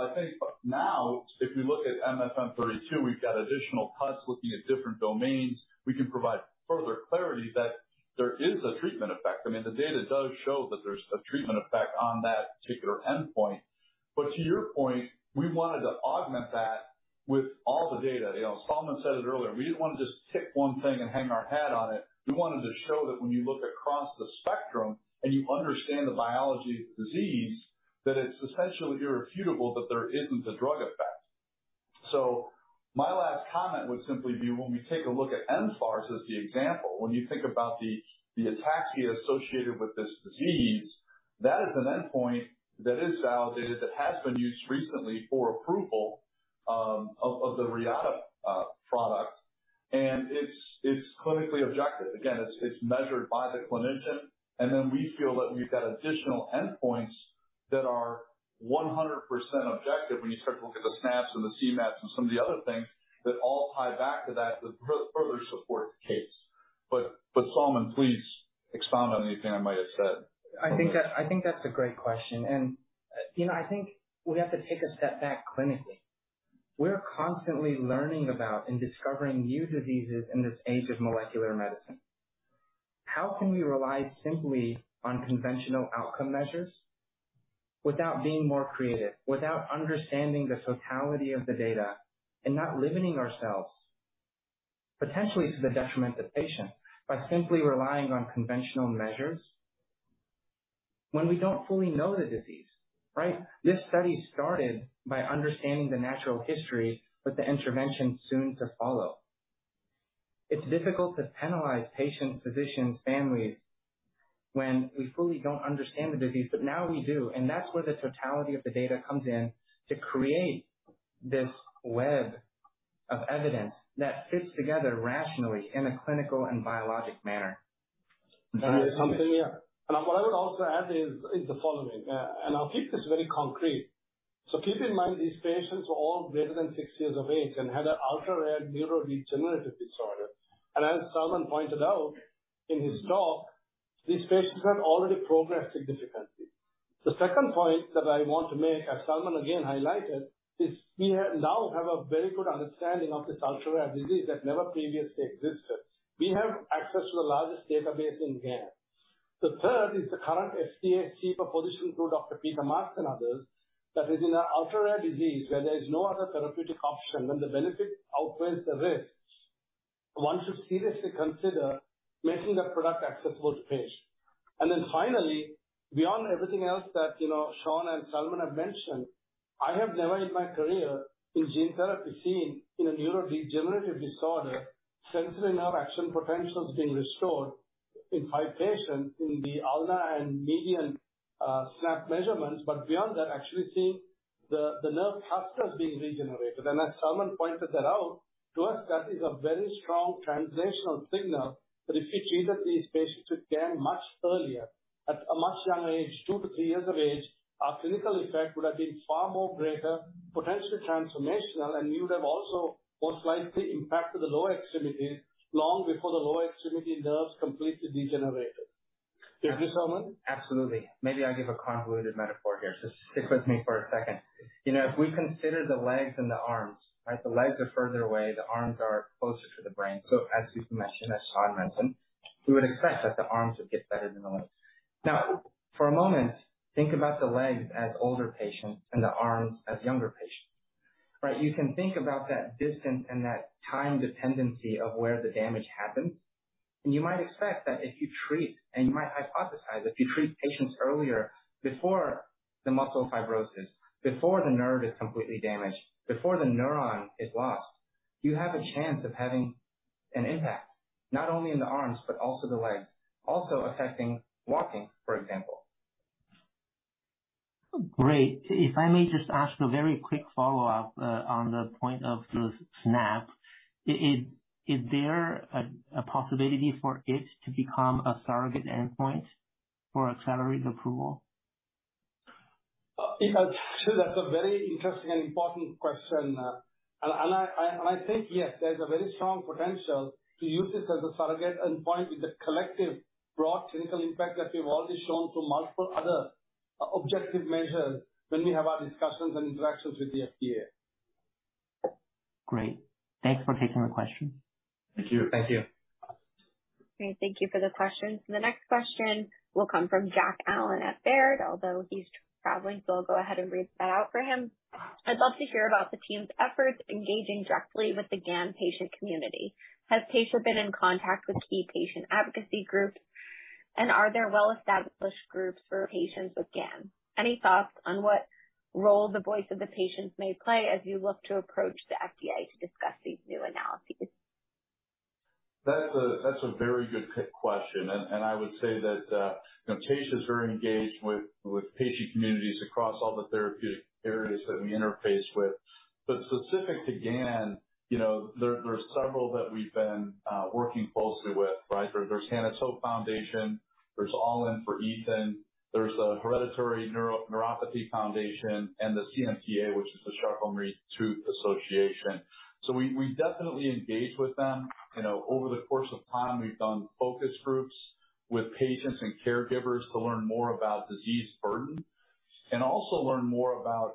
C: I think now, if we look at MFM-32, we've got additional cuts looking at different domains. We can provide further clarity that there is a treatment effect. I mean, the data does show that there's a treatment effect on that particular endpoint. To your point, we wanted to augment that with all the data. You know, Salman said it earlier: We didn't want to just pick one thing and hang our hat on it. We wanted to show that when you look across the spectrum and you understand the biology of the disease, that it's essentially irrefutable that there isn't a drug effect. My last comment would simply be, when we take a look at mFARS as the example, when you think about the ataxia associated with this disease, that is an endpoint that is validated, that has been used recently for approval of the Reata product. It's clinically objective. Again, it's measured by the clinician, and then we feel that we've got additional endpoints that are 100% objective when you start to look at the SNAPs and the CMAPs and some of the other things that all tie back to that to further support the case. Salman, please expound on anything I might have said.
E: I think that, I think that's a great question. You know, I think we have to take a step back clinically. We're constantly learning about and discovering new diseases in this age of molecular medicine. How can we rely simply on conventional outcome measures without being more creative, without understanding the totality of the data, and not limiting ourselves potentially to the detriment of patients by simply relying on conventional measures when we don't fully know the disease, right? This study started by understanding the natural history with the intervention soon to follow. It's difficult to penalize patients, physicians, families, when we fully don't understand the disease, but now we do, and that's where the totality of the data comes in to create this web of evidence that fits together rationally in a clinical and biologic manner.
D: Something here. What I would also add is the following, and I'll keep this very concrete. Keep in mind, these patients were all greater than six years of age and had an ultra-rare neurodegenerative disorder. As Salman pointed out in his talk, these patients had already progressed significantly. The second point that I want to make, as Salman again highlighted, is we now have a very good understanding of this ultra-rare disease that never previously existed. We have access to the largest database in GAN. The third is the current FDA CBER position through Dr. Peter Marks and others, that is in an ultra-rare disease where there is no other therapeutic option when the benefit outweighs the risk. One should seriously consider making that product accessible to patients. Finally, beyond everything else that, you know, Sean and Salman have mentioned, I have never in my career in gene therapy seen in a neurodegenerative disorder sensory nerve action potentials being restored in five patients in the ulna and median SNAP measurements. Beyond that, actually seeing the nerve clusters being regenerated. As Salman pointed that out, to us, that is a very strong translational signal that if we treated these patients with GAN much earlier at a much younger age, two to three years of age, our clinical effect would have been far more greater, potentially transformational, and we would have also most likely impacted the lower extremities long before the lower extremity nerves completely degenerated. Do you agree, Salman?
E: Absolutely. Maybe I'll give a convoluted metaphor here, so stick with me for a second. You know, if we consider the legs and the arms, right? The legs are further away, the arms are closer to the brain. As Suku mentioned, as Sean mentioned, we would expect that the arms would get better than the legs. Now, for a moment, think about the legs as older patients and the arms as younger patients. Right? You can think about that distance and that time dependency of where the damage happens, and you might expect that if you treat, and you might hypothesize, if you treat patients earlier, before the muscle fibrosis, before the nerve is completely damaged, before the neuron is lost, you have a chance of having an impact, not only in the arms, but also the legs, also affecting walking, for example.
H: Great. If I may just ask a very quick follow-up, on the point of the SNAP. Is there a possibility for it to become a surrogate endpoint for accelerated approval?
D: That's a very interesting and important question. I think, yes, there's a very strong potential to use this as a surrogate endpoint with the collective broad clinical impact that we've already shown through multiple other, objective measures when we have our discussions and interactions with the FDA.
H: Great. Thanks for taking the question.
D: Thank you.
E: Thank you.
A: Great, thank you for the question. The next question will come from Jack Allen at Baird, although he's traveling, so I'll go ahead and read that out for him. "I'd love to hear about the team's efforts engaging directly with the GAN patient community. Has Taysha been in contact with key patient advocacy groups, and are there well-established groups for patients with GAN? Any thoughts on what role the voice of the patients may play as you look to approach the FDA to discuss these new analyses?
C: That's a very good question, and I would say that, you know, Taysha is very engaged with patient communities across all the therapeutic areas that we interface with. Specific to GAN, you know, there are several that we've been working closely with, right? There's Hannah's Hope Fund, there's All In for Ethan, there's a Hereditary Neuropathy Foundation and the CMTA, which is the Charcot-Marie-Tooth Association. We definitely engage with them. You know, over the course of time, we've done focus groups with patients and caregivers to learn more about disease burden and also learn more about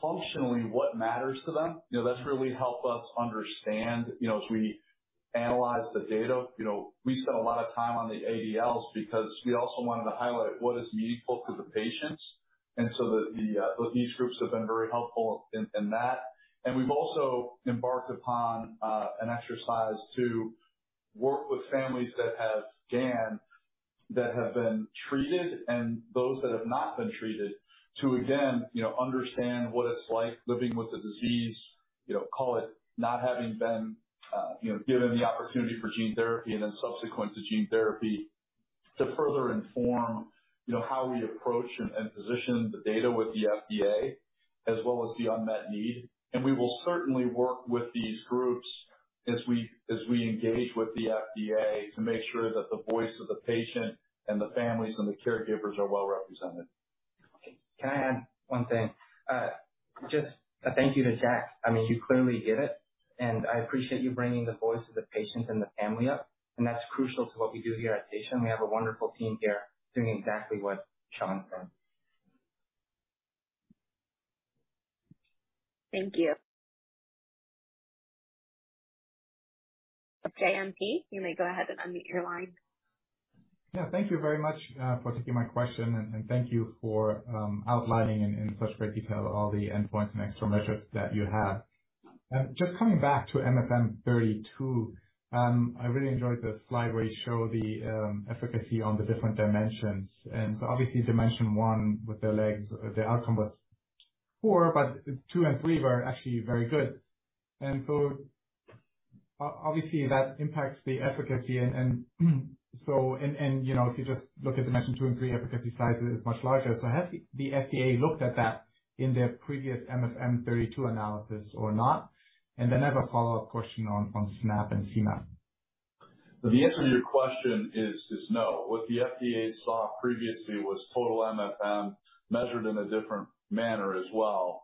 C: functionally what matters to them. You know, that's really helped us understand, you know, as we analyze the data, you know, we spent a lot of time on the ADLs because we also wanted to highlight what is meaningful to the patients. The these groups have been very helpful in that. We've also embarked upon an exercise to work with families that have GAN, that have been treated and those that have not been treated to, again, you know, understand what it's like living with the disease. You know, call it not having been, you know, given the opportunity for gene therapy and then subsequent to gene therapy, to further inform, you know, how we approach and position the data with the FDA, as well as the unmet need. We will certainly work with these groups as we engage with the FDA to make sure that the voice of the patient and the families and the caregivers are well represented.
E: Can I add one thing? Just a thank you to Jack. I mean, you clearly get it, and I appreciate you bringing the voice of the patient and the family up, and that's crucial to what we do here at Taysha. We have a wonderful team here doing exactly what Sean said.
A: Thank you. Okay, MP, you may go ahead and unmute your line.
I: Thank you very much for taking my question, and thank you for outlining in such great detail all the endpoints and extra measures that you have. Just coming back to MFM-32, I really enjoyed the slide where you show the efficacy on the different dimensions. Obviously dimension 1 with the legs, the outcome was poor, but two and three were actually very good. Obviously, that impacts the efficacy. You know, if you just look at dimension two and three, efficacy size is much larger. Has the FDA looked at that in their previous MFM-32 analysis or not? I have a follow-up question on SNAP and CMAP.
C: The answer to your question is no. What the FDA saw previously was total MFM measured in a different manner as well.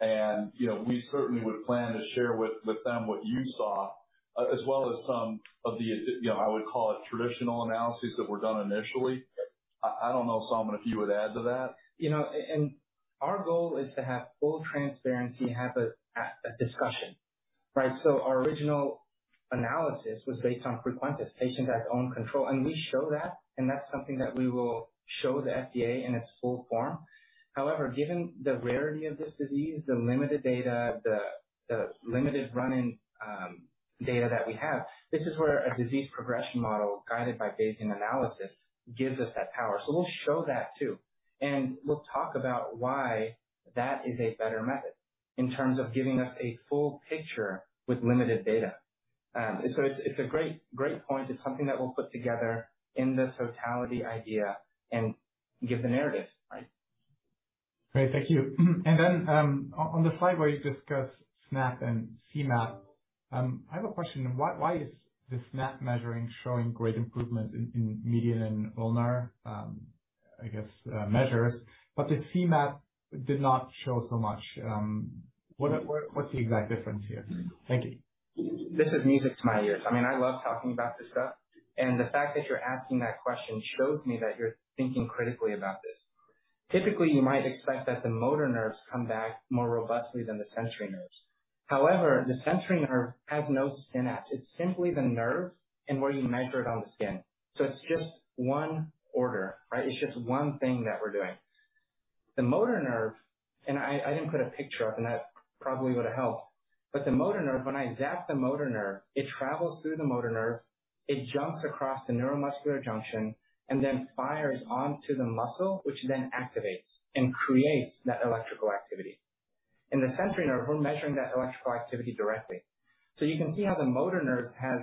C: You know, we certainly would plan to share with them what you saw, as well as some of the, you know, I would call it traditional analyses that were done initially. I don't know, Salman, if you would add to that.
E: You know, our goal is to have full transparency, have a discussion, right? Our original analysis was based on frequentist, patient-led own control, and we show that, and that's something that we will show the FDA in its full form. However, given the rarity of this disease, the limited data, the limited running data that we have. This is where a disease progression model, guided by Bayesian analysis, gives us that power. We'll show that, too, and we'll talk about why that is a better method in terms of giving us a full picture with limited data. It's a great point. It's something that we'll put together in this totality idea and give the narrative, right?
I: Great. Thank you. Then on the slide where you discuss SNAP and CMAP, I have a question. Why is the SNAP measuring showing great improvements in median and ulnar measures, but the CMAP did not show so much, what's the exact difference here? Thank you.
E: This is music to my ears. I mean, I love talking about this stuff, and the fact that you're asking that question shows me that you're thinking critically about this. Typically, you might expect that the motor nerves come back more robustly than the sensory nerves. However, the sensory nerve has no synapse. It's simply the nerve and where you measure it on the skin. It's just one order, right? It's just one thing that we're doing. The motor nerve, I didn't put a picture up, and that probably would have helped. The motor nerve, when I zap the motor nerve, it travels through the motor nerve, it jumps across the neuromuscular junction and then fires onto the muscle, which then activates and creates that electrical activity. In the sensory nerve, we're measuring that electrical activity directly. You can see how the motor nerves has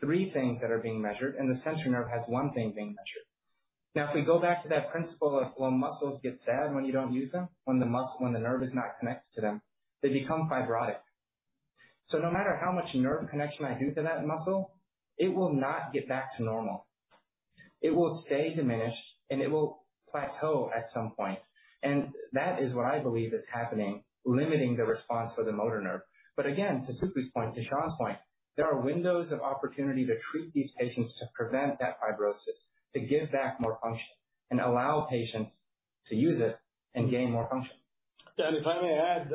E: three things that are being measured, and the sensory nerve has one thing being measured. If we go back to that principle of, well, muscles get sad when you don't use them, when the nerve is not connected to them, they become fibrotic. No matter how much nerve connection I do to that muscle, it will not get back to normal. It will stay diminished, and it will plateau at some point, and that is what I believe is happening, limiting the response for the motor nerve. Again, to Suku's point, to Sean's point, there are windows of opportunity to treat these patients to prevent that fibrosis, to give back more function and allow patients to use it and gain more function.
D: If I may add,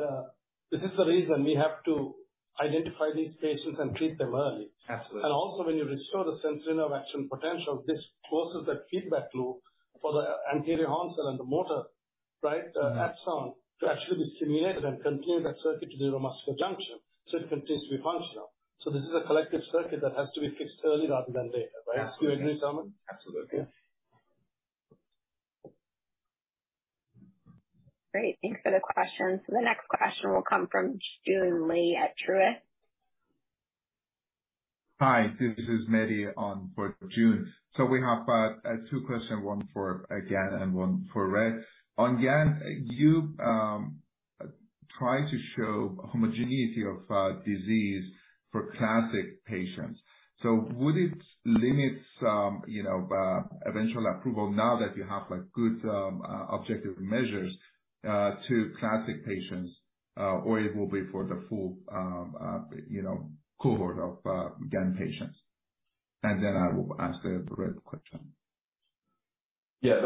D: this is the reason we have to identify these patients and treat them early.
E: Absolutely.
D: Also, when you restore the sensory nerve action potential, this closes that feedback loop for the anterior horn cell and the motor, right?
E: Mm-hmm.
D: The axon to actually be stimulated and complete that circuit to the neuromuscular junction, so it continues to be functional. This is a collective circuit that has to be fixed early rather than later, right? Do you agree, Salman?
E: Absolutely.
D: Yeah.
A: Great. Thanks for the question. The next question will come from Joon Lee at Truist.
J: Hi, this is Mahdi on for Joon Lee. We have two questions, one for GAN and one for Rett. On GAN, you try to show homogeneity of disease for classic patients. Would it limit some, you know, eventual approval now that you have, like, good objective measures to classic patients, or it will be for the full, you know, cohort of GAN patients? I will ask the Rett question.
C: Yeah.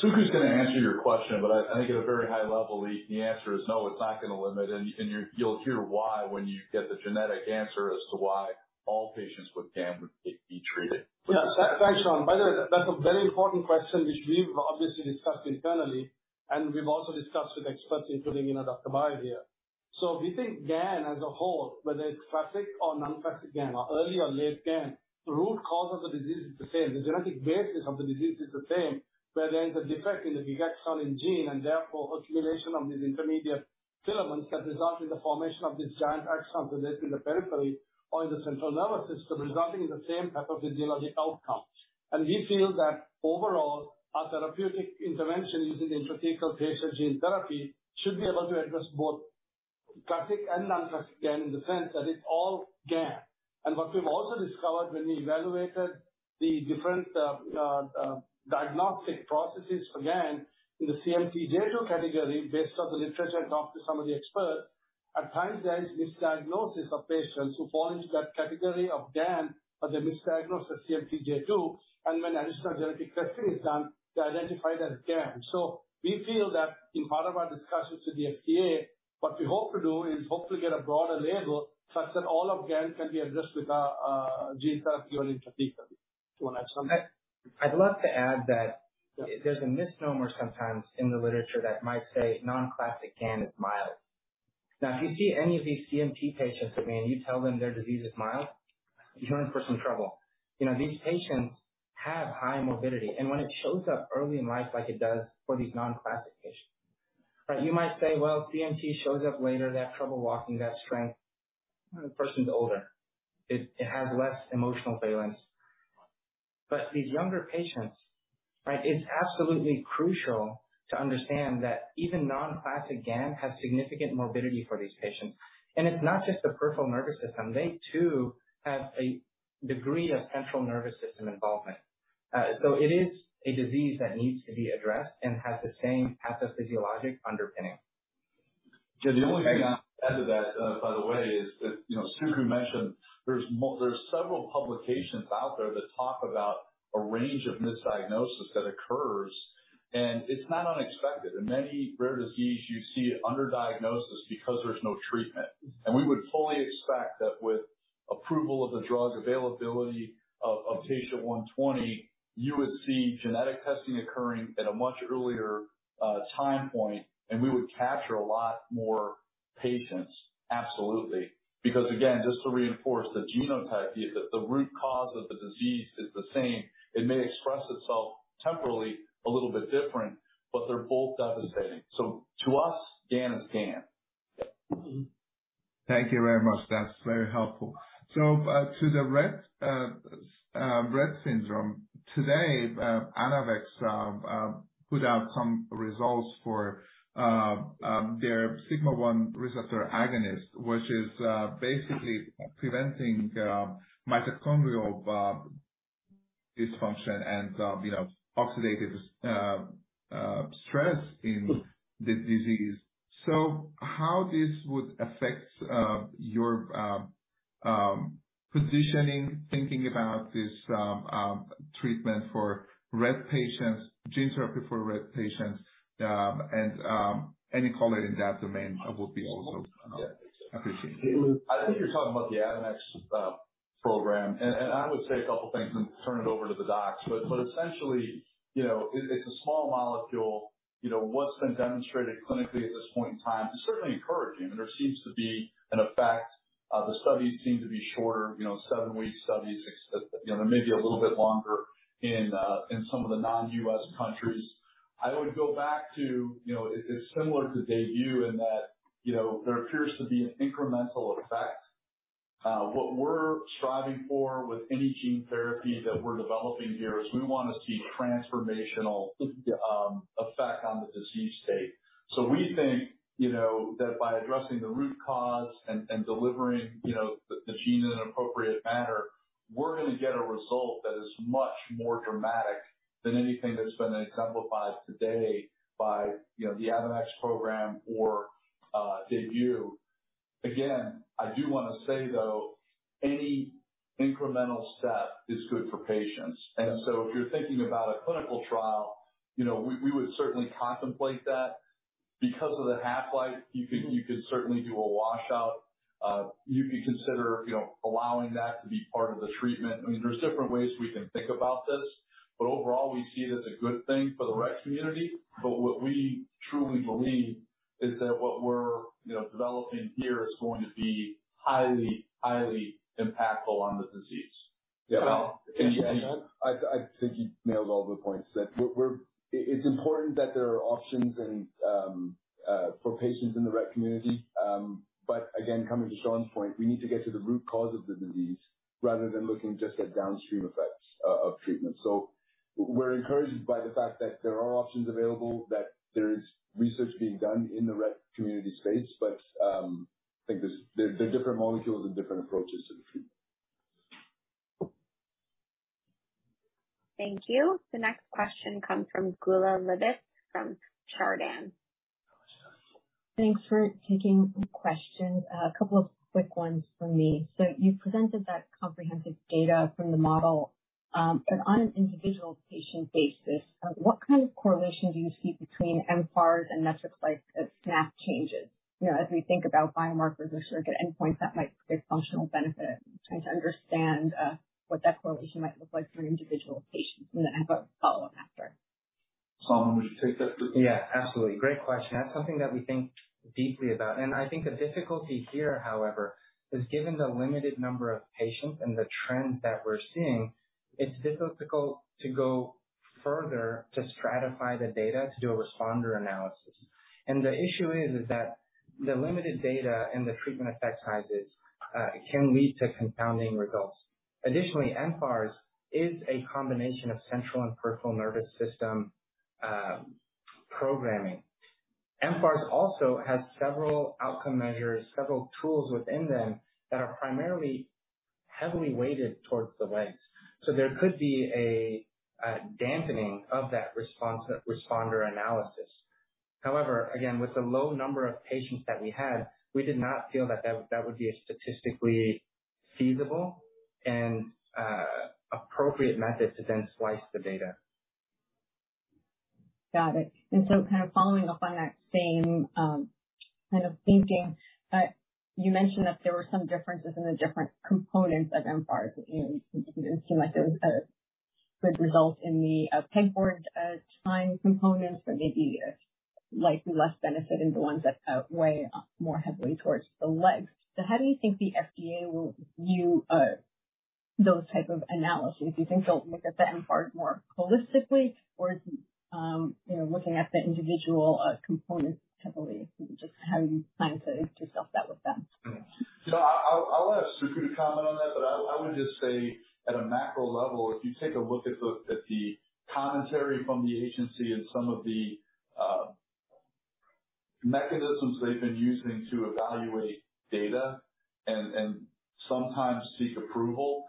C: Suku is going to answer your question, but I think at a very high level, the answer is no, it's not going to limit, and you'll hear why when you get the genetic answer as to why all patients with GAN would be treated.
D: Yes. Thanks, Sean. By the way, that's a very important question, which we've obviously discussed internally, and we've also discussed with experts, including, you know, Dr. Bhai here. We think GAN as a whole, whether it's classic or non-classic GAN or early or late GAN, the root cause of the disease is the same. The genetic basis of the disease is the same, where there is a defect in the gigaxonin cell and gene, and therefore accumulation of these intermediate filaments can result in the formation of these giant axons and then in the periphery or in the central nervous system, resulting in the same pathophysiology outcome. We feel that overall, our therapeutic intervention using the intrathecal Taysha gene therapy should be able to address both classic and non-classic GAN, in the sense that it's all GAN. What we've also discovered when we evaluated the different diagnostic processes for GAN in the CMT2 category, based on the literature, and talked to some of the experts, at times there is misdiagnosis of patients who fall into that category of GAN, but they're misdiagnosed as CMT2. When additional genetic testing is done, they're identified as GAN. We feel that in part of our discussions with the FDA, what we hope to do is hopefully get a broader label such that all of GAN can be addressed with gene therapy or intrathecal. Do you want to add something?
E: I'd love to add that.
D: Yes.
E: There's a misnomer sometimes in the literature that might say non-classic GAN is mild. If you see any of these CMT patients of mine, and you tell them their disease is mild, you're in for some trouble. You know, these patients have high morbidity, and when it shows up early in life, like it does for these non-classic patients, right? You might say, "Well, CMT shows up later. They have trouble walking, they have strength." When the person's older, it has less emotional valence. These younger patients, right, it's absolutely crucial to understand that even non-classic GAN has significant morbidity for these patients. It's not just the peripheral nervous system. They, too, have a degree of central nervous system involvement. It is a disease that needs to be addressed and has the same pathophysiologic underpinning.
C: The only thing I'd add to that, by the way, is that, you know, Suku mentioned there's several publications out there that talk about a range of misdiagnosis that occurs, and it's not unexpected. In many rare diseases, you see underdiagnosis because there's no treatment. We would fully expect that with approval of the drug availability of TSHA-120, you would see genetic testing occurring at a much earlier time point, and we would capture a lot more patients, absolutely. Again, just to reinforce the genotype, the root cause of the disease is the same. It may express itself temporally a little bit different, but they're both devastating. To us, GAN is GAN.
J: Thank you very much. That's very helpful. To the Rett syndrome, today, Anavex, put out some results for their sigma-1 receptor agonist, which is basically preventing mitochondrial dysfunction and, you know, oxidative stress in this disease. How this would affect your positioning, thinking about this treatment for Rett patients, gene therapy for Rett patients, and any comment in that domain would be also appreciated.
C: I think you're talking about the Anavex program. I would say a couple things and turn it over to the docs. essentially, you know, it's a small molecule. You know, what's been demonstrated clinically at this point in time is certainly encouraging, and there seems to be an effect. The studies seem to be shorter, you know, seven-week studies. You know, they may be a little bit longer in some of the non-U.S. countries. I would go back to, you know, it's similar to DAYBUE in that, you know, there appears to be an incremental effect. What we're striving for with any gene therapy that we're developing here is we want to see transformational effect on the disease state. We think, you know, that by addressing the root cause and delivering, you know, the gene in an appropriate manner, we're gonna get a result that is much more dramatic than anything that's been exemplified today by, you know, the Anavex program or DAYBUE. I do want to say, though, any incremental step is good for patients. If you're thinking about a clinical trial, you know, we would certainly contemplate that. Because of the half-life, you could, you could certainly do a washout. You could consider, you know, allowing that to be part of the treatment. I mean, there's different ways we can think about this, but overall, we see it as a good thing for the Rett community. What we truly believe is that what we're, you know, developing here is going to be highly impactful on the disease. Aneeza.
F: Yeah. I think you nailed all the points. It's important that there are options and for patients in the Rett community. Again, coming to Sean's point, we need to get to the root cause of the disease rather than looking just at downstream effects of treatment. We're encouraged by the fact that there are options available, that there is research being done in the Rett community space, I think there are different molecules and different approaches to the treatment.
A: Thank you. The next question comes from Geulah Livshits, from Chardan.
K: Thanks for taking the questions. A couple of quick ones from me. You presented that comprehensive data from the model. On an individual patient basis, what kind of correlation do you see between mFARS and metrics like SNAP changes? You know, as we think about biomarkers or sort of the endpoints that might give functional benefit, trying to understand what that correlation might look like for individual patients. Then I have a follow-up after.
C: Sean, want me to take that?
E: Yeah, absolutely. Great question. That's something that we think deeply about. I think the difficulty here, however, is given the limited number of patients and the trends that we're seeing, it's difficult to go further to stratify the data to do a responder analysis. The issue is that the limited data and the treatment effect sizes can lead to confounding results. Additionally, mFARS is a combination of central and peripheral nervous system programming. mFARS also has several outcome measures, several tools within them, that are primarily heavily weighted towards the legs. There could be a dampening of that response, responder analysis. However, again, with the low number of patients that we had, we did not feel that would be a statistically feasible and appropriate method to then slice the data.
K: Got it. kind of following up on that same, kind of thinking, you mentioned that there were some differences in the different components of mFARS, that, you know, it seemed like there was a good result in the pegboard, time components, but maybe a slightly less benefit in the ones that weigh more heavily towards the legs. So how do you think the FDA will view those type of analyses? Do you think they'll look at the mFARS more holistically or, you know, looking at the individual components separately? Just how you plan to discuss that with them.
C: You know, I'll let Suku to comment on that, but I would just say at a macro level, if you take a look at the commentary from the agency and some of the mechanisms they've been using to evaluate data and sometimes seek approval,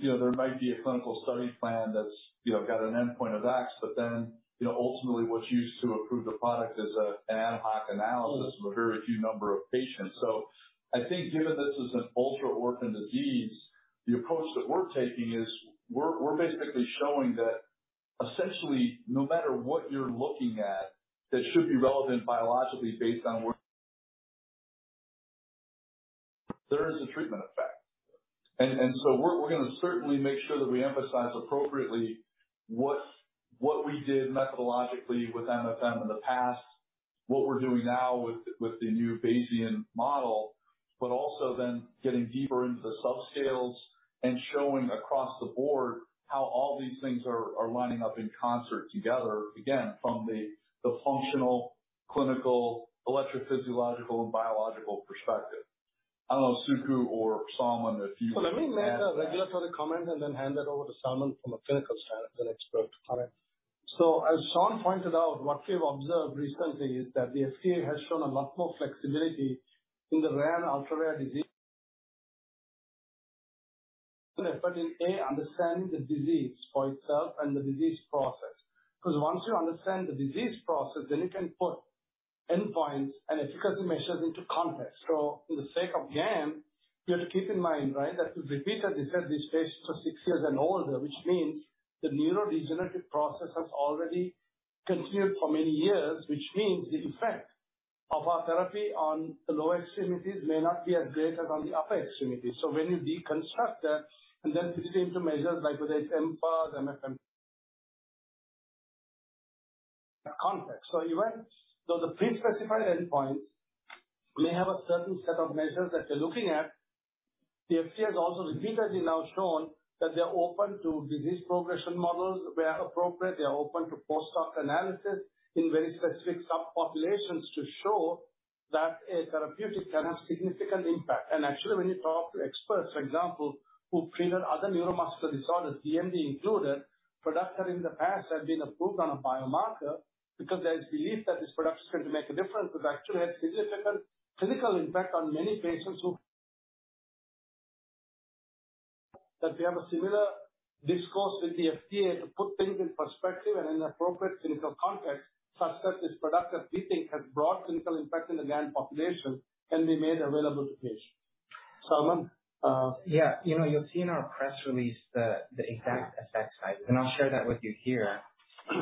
C: you know, there might be a clinical study plan that's, you know, got an endpoint of X, but then, you know, ultimately, what's used to approve the product is an ad hoc analysis of a very few number of patients. I think given this is an ultra-orphan disease, the approach that we're taking is we're basically showing that essentially, no matter what you're looking at, that should be relevant biologically based on. There is a treatment effect. We're gonna certainly make sure that we emphasize appropriately what we did methodologically with MFM in the past, what we're doing now with the new Bayesian model, but also then getting deeper into the subscales and showing across the board how all these things are lining up in concert together. Again, from the functional, clinical, electrophysiological, and biological perspecti.e. I don't know, Suku or Salman, if you-
D: Let me make a regular further comment and then hand it over to Salman from a clinical standard and expert comment. As Sean pointed out, what we've observed recently is that the FDA has shown a lot more flexibility in the rare ultra-rare disease. In, A, understanding the disease for itself and the disease process, because once you understand the disease process, then you can put endpoints and efficacy measures into context. For the sake of GAN, you have to keep in mind, right, that we've repeated this at this stage for six years and older, which means the neurodegenerative process has already continued for many years, which means the effect of our therapy on the lower extremities may not be as great as on the upper extremities. When you deconstruct that and then proceed to measures like whether it's mFARS, MFM. Context. You right. The pre-specified endpoints may have a certain set of measures that they're looking at. The FDA has also repeatedly now shown that they're open to disease progression models where appropriate. They are open to posthoc analysis in very specific subpopulations to show that a therapeutic can have significant impact. Actually, when you talk to experts, for example, who treat other neuromuscular disorders, DMD included, products that in the past have been approved on a biomarker because there's belief that this product is going to make a difference, it actually has significant clinical impact on many patients who. We have a similar discourse with the FDA to put things in perspective and in appropriate clinical context, such that this product that we think has broad clinical impact in the GAN population can be made available to patients. Salman.
E: Yeah. You know, you'll see in our press release, the exact effect sizes, and I'll share that with you here,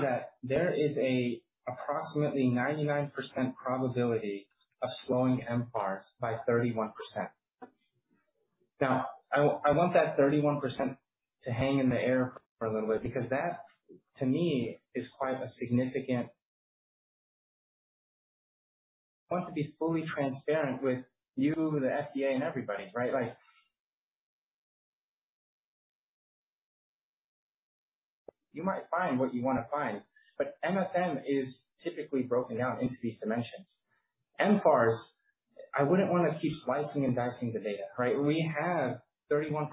E: that there is a approximately 99% probability of slowing mFARS by 31%. Now, I want that 31% to hang in the air for a little bit, because that, to me, is quite a significant. I want to be fully transparent with you, the FDA, and everybody, right? Like. You might find what you want to find, but MFM is typically broken down into these dimensions. mFARS, I wouldn't want to keep slicing and dicing the data. Right? We have 31%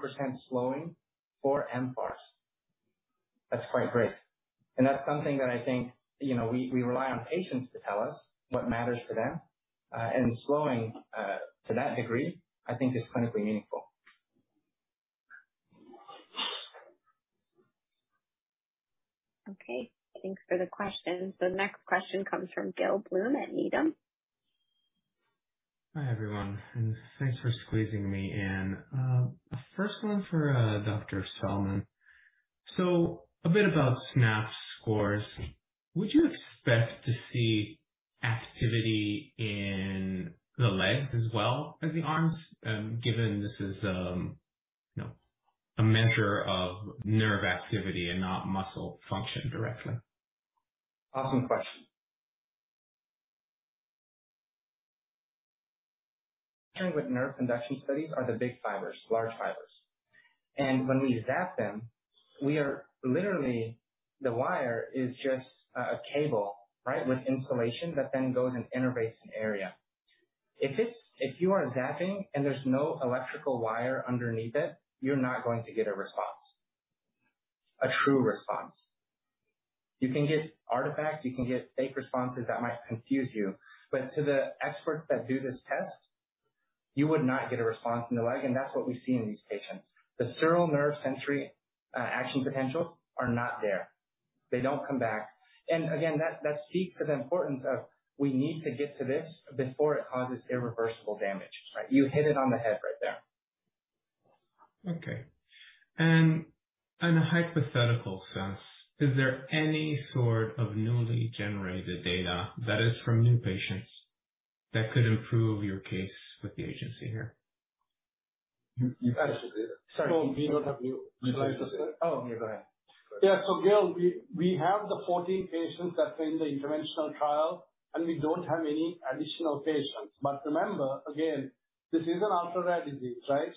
E: slowing for mFARS. That's quite great. And that's something that I think, you know, we rely on patients to tell us what matters to them. And slowing to that degree, I think is clinically meaningful.
A: Okay, thanks for the question. The next question comes from Gil Blum at Needham.
L: Hi, everyone, thanks for squeezing me in. The first one for Dr. Salman. A bit about SNAP scores. Would you expect to see activity in the legs as well as the arms, given this is, you know, a measure of nerve activity and not muscle function directly?
E: Awesome question. With nerve conduction studies are the big fibers, large fibers. When we zap them, we are literally, the wire is just a cable, right? With insulation that then goes and innervates an area. If you are zapping and there's no electrical wire underneath it, you're not going to get a response, a true response. You can get artifacts, you can get fake responses that might confuse you, but to the experts that do this test, you would not get a response in the leg, and that's what we see in these patients. The sural nerve sensory action potentials are not there. They don't come back. Again, that speaks to the importance of we need to get to this before it causes irreversible damage. Right. You hit it on the head right there.
L: Okay. In a hypothetical sense, is there any sort of newly generated data that is from new patients that could improve your case with the agency here?
E: You.
D: Sorry, we don't have. Oh, you go ahead. Yeah. Gil, we have the 14 patients that were in the interventional trial, and we don't have any additional patients. Remember, again, this is an ultra-rare disease, right?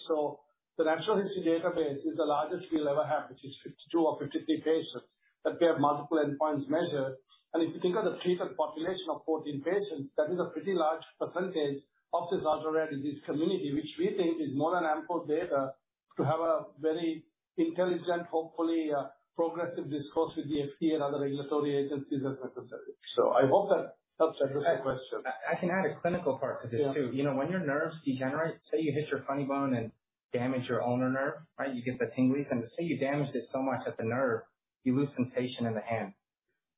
D: The natural history database is the largest we'll ever have, which is 52 or 53 patients, that we have multiple endpoints measured. If you think of the treated population of 14 patients, that is a pretty large percentage of this ultra-rare disease community, which we think is more than ample data to have a very intelligent, hopefully, progressive discourse with the FDA and other regulatory agencies as necessary. I hope that helps address the question.
E: I can add a clinical part to this, too.
D: Yeah.
E: You know, when your nerves degenerate, say you hit your funny bone and damage your ulnar nerve, right? You get the tinglies, and say you damage it so much that the nerve, you lose sensation in the hand.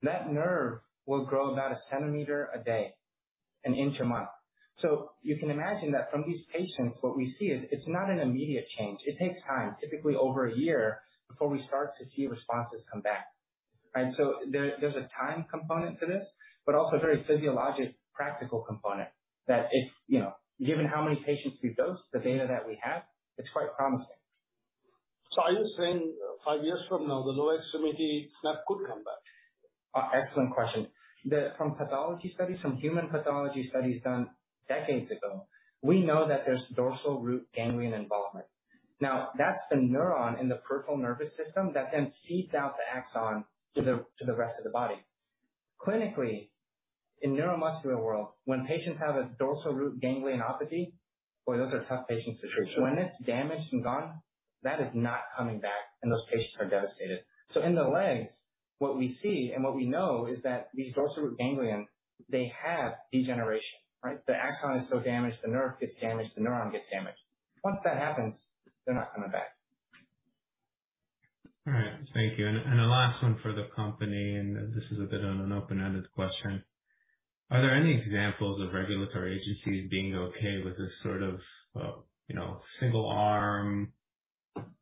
E: That nerve will grow about a centimeter a day, an inch a month. You can imagine that from these patients, what we see is it's not an immediate change. It takes time, typically over a year, before we start to see responses come back. There, there's a time component to this, but also a very physiologic practical component that if, you know, given how many patients we've dosed, the data that we have, it's quite promising.
L: Are you saying five years from now, the lower extremity SNAP could come back?
E: Excellent question. From pathology studies, from human pathology studies done decades ago, we know that there's dorsal root ganglion involvement. Now, that's the neuron in the peripheral nervous system that then feeds out the axon to the, to the rest of the body. Clinically, in neuromuscular world, when patients have a dorsal root ganglionopathy, boy, those are tough patient situations. When it's damaged and gone, that is not coming back, and those patients are devastated. In the legs, what we see and what we know is that these dorsal root ganglion, they have degeneration, right? The axon is so damaged, the nerve gets damaged, the neuron gets damaged. Once that happens, they're not coming back.
L: All right. Thank you. The last one for the company, and this is a bit of an open-ended question. Are there any examples of regulatory agencies being okay with this sort of, you know, single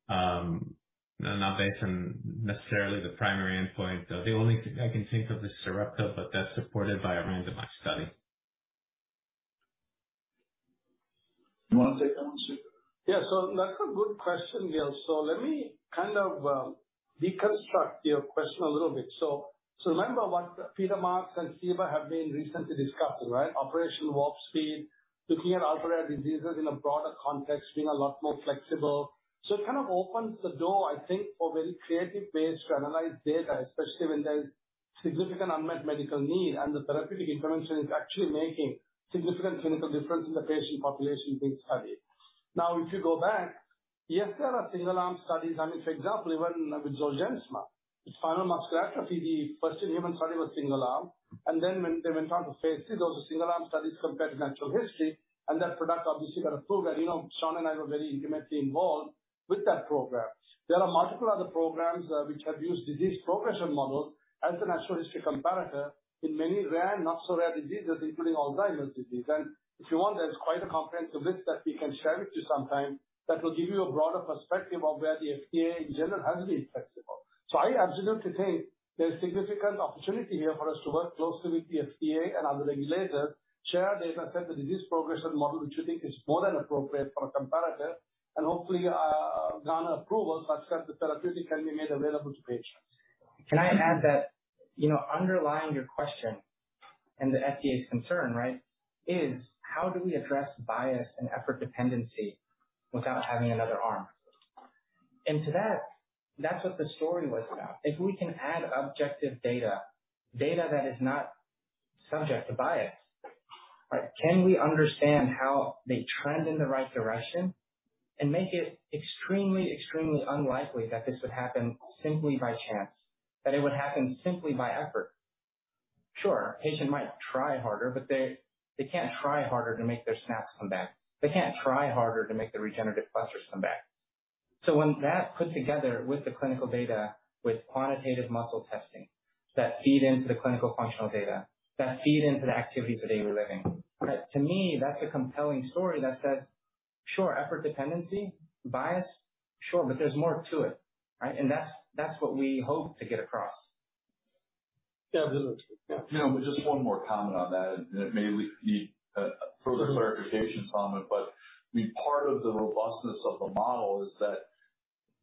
L: arm, not based on necessarily the primary endpoint? The only I can think of is Sarepta, but that's supported by a randomized study.
C: You want to take that one, Suku?
D: Yeah. That's a good question, Gil. Let me kind of deconstruct your question a little bit. Remember what Peter Marks and CBER have been recently discussing, right? Operation Warp Speed, looking at ultra-rare diseases in a broader context, being a lot more flexible. It kind of opens the door, I think, for very creative ways to analyze data, especially when there is significant unmet medical need, and the therapeutic intervention is actually making significant clinical difference in the patient population being studied. If you go back, yes, there are single arm studies. I mean, for example, even with Zolgensma, spinal muscular atrophy, the first in human study was single arm, and then when they went on to phase III, those were single arm studies compared to natural history, and that product obviously got approved. You know, Sean and I were very intimately involved with that program. There are multiple other programs which have used disease progression models as the natural history comparator in many rare, not so rare diseases, including Alzheimer's disease. If you want, there's quite a comprehensive list that we can share with you sometime that will give you a broader perspective of where the FDA in general has been flexible. I absolutely think there's significant opportunity here for us to work closely with the FDA and other regulators, share our data set, the disease progression model, which we think is more than appropriate for a comparator, and hopefully gain approval such that the therapeutic can be made available to patients.
E: Can I add that, you know, underlying your question and the FDA's concern, right, is how do we address bias and effort dependency without having another arm? To that's what the story was about. If we can add objective data that is not subject to bias, right? Can we understand how they trend in the right direction and make it extremely unlikely that this would happen simply by chance, that it would happen simply by effort? Sure, a patient might try harder, but they can't try harder to make their SNAPs come back. They can't try harder to make the regenerative clusters come back. When that put together with the clinical data, with quantitative muscle testing, that feed into the clinical functional data, that feed into the activities of daily living, right? To me, that's a compelling story that says, sure, effort, dependency, bias. Sure, but there's more to it, right? That's what we hope to get across.
D: Yeah, absolutely. Yeah.
C: You know, just one more comment on that, and it may need, further clarification, Salman, but I mean, part of the robustness of the model is that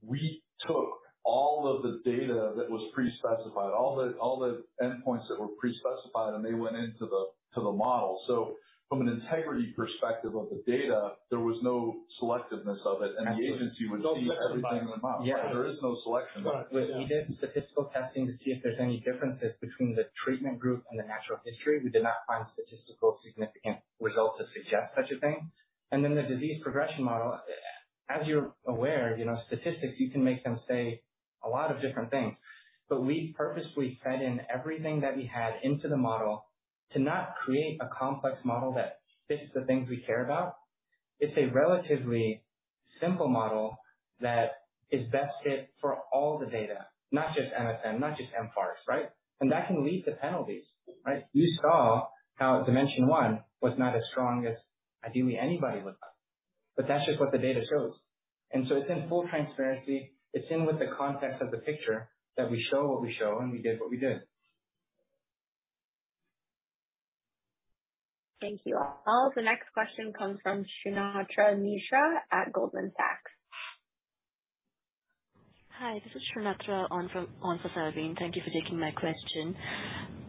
C: we took all of the data that was pre-specified, all the endpoints that were pre-specified, and they went into the model. From an integrity perspective of the data, there was no selectiveness of it, and the agency would see everything. There is no selection.
E: We did statistical testing to see if there's any differences between the treatment group and the natural history. We did not find statistically significant results to suggest such a thing. The disease progression model, as you're aware, you know, statistics, you can make them say a lot of different things, but we purposefully fed in everything that we had into the model to not create a complex model that fits the things we care about. It's a relatively simple model that is best fit for all the data, not just MFM, not just mFARS, right? That can lead to penalties, right? You saw how dimension one was not as strong as ideally anybody would like, but that's just what the data shows. It's in full transparency. It's in with the context of the picture that we show what we show, and we did what we did.
A: Thank you, all. The next question comes from Sunatra Nisha at Goldman Sachs.
M: Hi, this is Sunatra on for Salveen. Thank you for taking my question.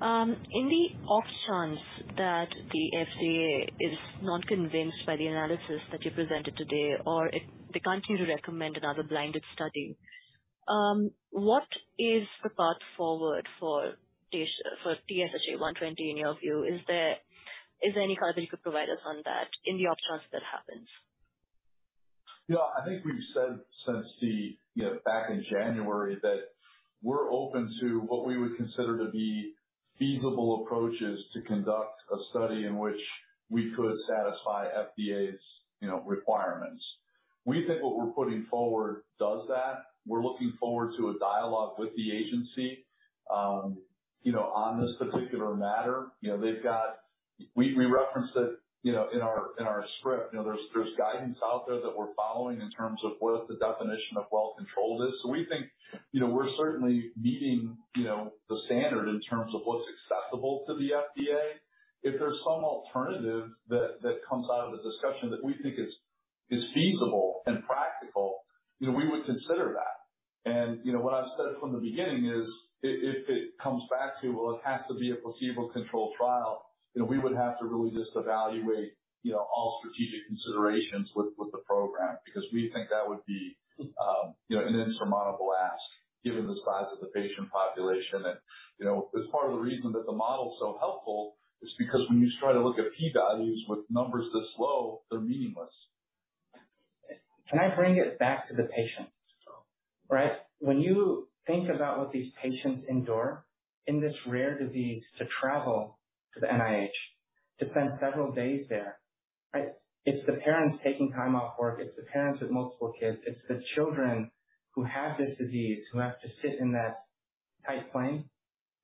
M: In the off chance that the FDA is not convinced by the analysis that you presented today or they continue to recommend another blinded study, what is the path forward for TSHA-120 in your view? Is there any clarity you could provide us on that in the off chance that happens?
C: Yeah, I think we've said since the, you know, back in January, that we're open to what we would consider to be feasible approaches to conduct a study in which we could satisfy FDA's, you know, requirements. We think what we're putting forward does that. We're looking forward to a dialogue with the agency. You know, on this particular matter, you know, we referenced it, you know, in our, in our script. You know, there's guidance out there that we're following in terms of what the definition of well-controlled is. We think, you know, we're certainly meeting, you know, the standard in terms of what's acceptable to the FDA. If there's some alternative that comes out of the discussion that we think is feasible and practical, you know, we would consider that. You know, what I've said from the beginning is, if it comes back to, well, it has to be a placebo-controlled trial, you know, we would have to really just evaluate, you know, all strategic considerations with the program, because we think that would be, you know, an insurmountable ask, given the size of the patient population. You know, it's part of the reason that the model is so helpful is because when you try to look at p-values with numbers this low, they're meaningless.
E: Can I bring it back to the patient? Right. When you think about what these patients endure in this rare disease, to travel to the NIH, to spend several days there, right? It's the parents taking time off work. It's the parents with multiple kids. It's the children who have this disease, who have to sit in that tight plane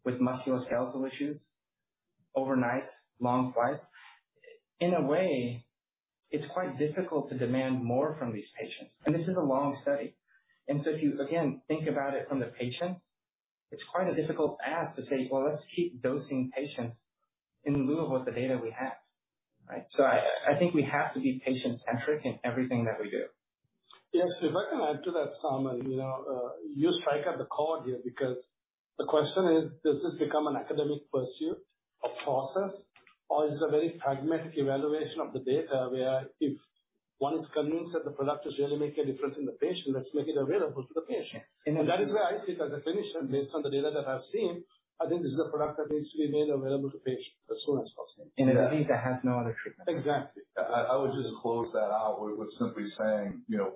E: with musculoskeletal issues, overnight, long flights. In a way, it's quite difficult to demand more from these patients, and this is a long study. If you, again, think about it from the patient, it's quite a difficult ask to say: Well, let's keep dosing patients in lieu of what the data we have, right? I think we have to be patient-centric in everything that we do.
D: Yes, if I can add to that, Salman, you know, you strike at the core here, because the question is, does this become an academic pursuit, a process, or is it a very pragmatic evaluation of the data, where if one is convinced that the product is really making a difference in the patient, let's make it available to the patient?
E: Yes.
D: That is where I sit as a clinician, based on the data that I've seen, I think this is a product that needs to be made available to patients as soon as possible.
E: In a disease that has no other treatment.
D: Exactly.
C: I would just close that out with simply saying, you know,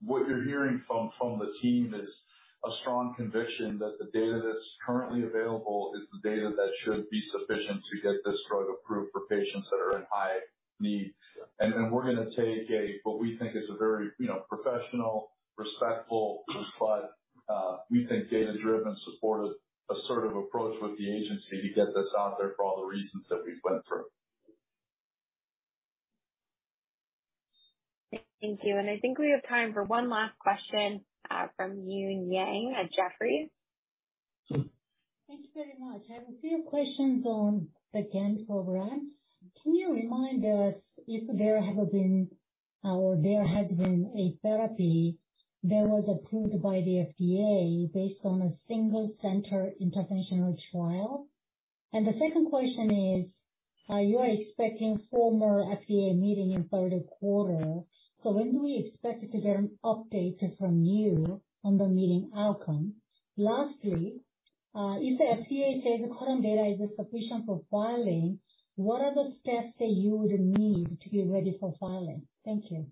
C: what you're hearing from the team is a strong conviction that the data that's currently available is the data that should be sufficient to get this drug approved for patients that are in high need. We're going to take a, what we think is a very, you know, professional, respectful, but we think data-driven, supported, assertive approach with the agency to get this out there for all the reasons that we've went through.
A: Thank you. I think we have time for one last question, from Eun Yang at Jefferies.
N: Thank you very much. I have a few questions on the Gene program. Can you remind us if there have been, or there has been a therapy that was approved by the FDA based on a single center interventional trial? The second question is, you are expecting formal FDA meeting in third quarter, when do we expect to get an update from you on the meeting outcome? If the FDA says the current data is sufficient for filing, what are the steps that you would need to be ready for filing? Thank you.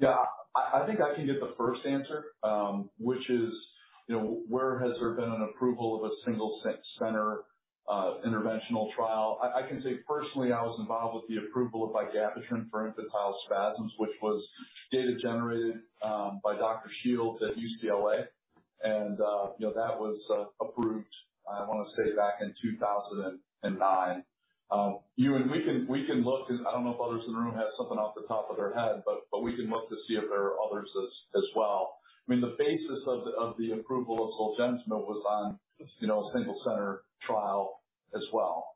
C: Yeah, I think I can get the first answer, which is, you know, where has there been an approval of a single center interventional trial? I can say personally, I was involved with the approval of vigabatrin for infantile spasms, which was data generated by Dr. Shields at UCLA. you know, that was approved, I want to say, back in 2009. Eun Yang, we can look, and I don't know if others in the room have something off the top of their head, but we can look to see if there are others as well. I mean, the basis of the approval of Zolgensma was on, you know, a single-center trial as well.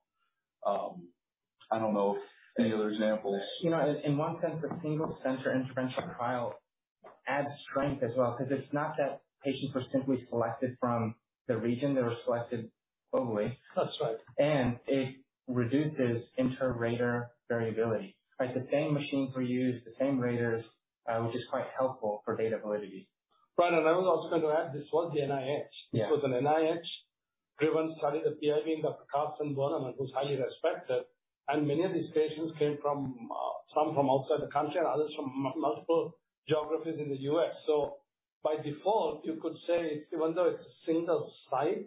C: I don't know any other examples.
E: You know, in one sense, a single-center interventional trial adds strength as well, because it's not that patients were simply selected from the region, they were selected globally.
D: That's right.
E: It reduces inter-rater variability, right? The same machines were used, the same raters, which is quite helpful for data validity.
D: Right. I was also going to add, this was the NIH.
E: Yeah.
D: This was an NIH-driven study, the PI being Dr. Carsten Bönnemann, who's highly respected. Many of these patients came from some from outside the country and others from multiple geographies in the U.S. By default, you could say, even though it's a single site,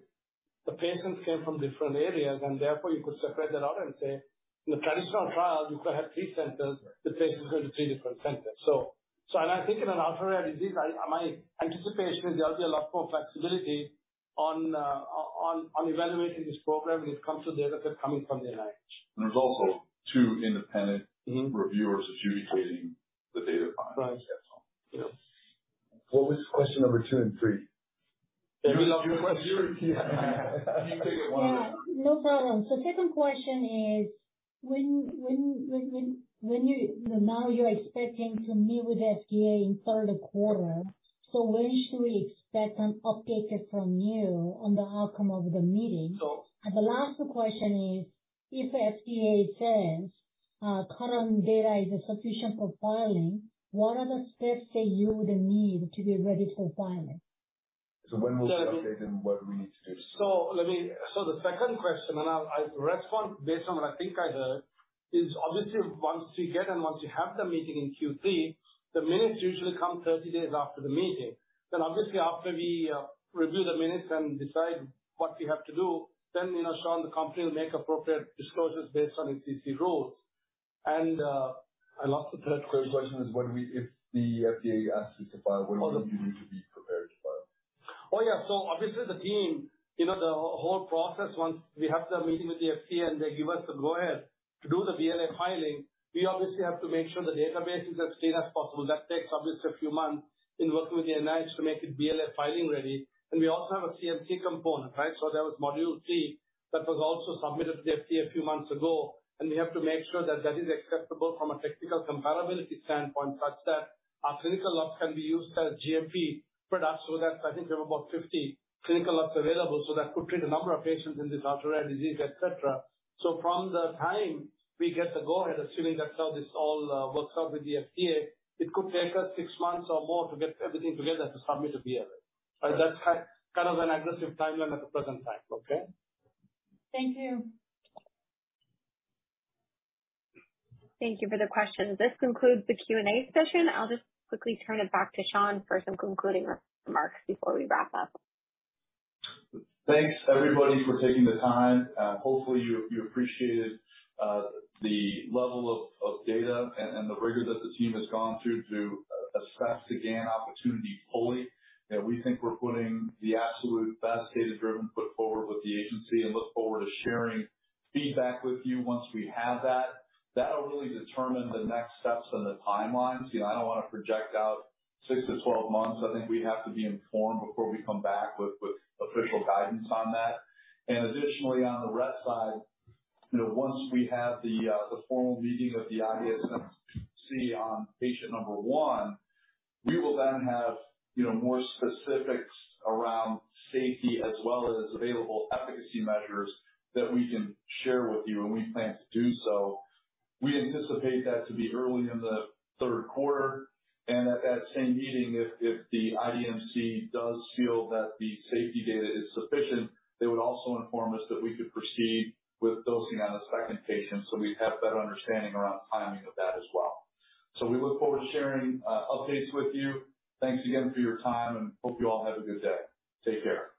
D: the patients came from different areas, and therefore you could separate that out and say, in the traditional trial, you could have three centers, the patients go to three different centers. I think in an ultra-rare disease, I, my anticipation is there'll be a lot more flexibility on evaluating this program when it comes to the data set coming from the NIH.
F: There's also two independent.
D: Mm-hmm.
F: Reviewers adjudicating the data.
D: Right.
F: Yeah. What was question number two and three?
D: You love your question.
C: Can you take it one more?
N: Yeah, no problem. Second question is, when you're expecting to meet with FDA in third quarter, When should we expect an update from you on the outcome of the meeting? The last question is: If FDA says current data is sufficient for filing, what are the steps that you would need to be ready for filing?
C: When will we update and what we need to do?
D: The second question, and I'll respond based on what I think I heard, is obviously once you get and once you have the meeting in Q3, the minutes usually come 30 days after the meeting. Obviously, after we review the minutes and decide what we have to do, then, you know, Sean, the company will make appropriate disclosures based on its EC rules. I lost the third question.
C: The question is, when we, if the FDA asks us to file, what do we need to be prepared to file?
D: Oh, yeah. Obviously the team, you know, the whole process, once we have the meeting with the FDA and they give us the go ahead to do the BLA filing, we obviously have to make sure the database is as clean as possible. That takes obviously a few months in working with the NIH to make it BLA filing ready. We also have a CMC component, right? That was module 3 that was also submitted to the FDA a few months ago, and we have to make sure that that is acceptable from a technical comparability standpoint, such that our clinical lots can be used as GMP products. That's, I think, we have about 50 clinical lots available, so that could treat a number of patients in this artery disease, et cetera. From the time we get the go-ahead, assuming that's how this all works out with the FDA, it could take us six months or more to get everything together to submit a BLA. But that's kind of an aggressive timeline at the present time. Okay?
N: Thank you.
A: Thank you for the question. This concludes the Q&A session. I'll just quickly turn it back to Sean for some concluding remarks before we wrap up.
C: Thanks, everybody, for taking the time, hopefully you appreciated the level of data and the rigor that the team has gone through to assess the GAN opportunity fully. You know, we think we're putting the absolute best data-driven foot forward with the agency and look forward to sharing feedback with you once we have that. That'll really determine the next steps and the timelines. You know, I don't want to project out six to 12 months. I think we have to be informed before we come back with official guidance on that. Additionally, on the Rett side, you know, once we have the formal meeting of the IMC on patient number one, we will then have, you know, more specifics around safety as well as available efficacy measures that we can share with you, we plan to do so. We anticipate that to be early in the third quarter. At that same meeting, if the IDMC does feel that the safety data is sufficient, they would also inform us that we could proceed with dosing on a second patient. We'd have better understanding around timing of that as well. We look forward to sharing updates with you. Thanks again for your time. Hope you all have a good day. Take care.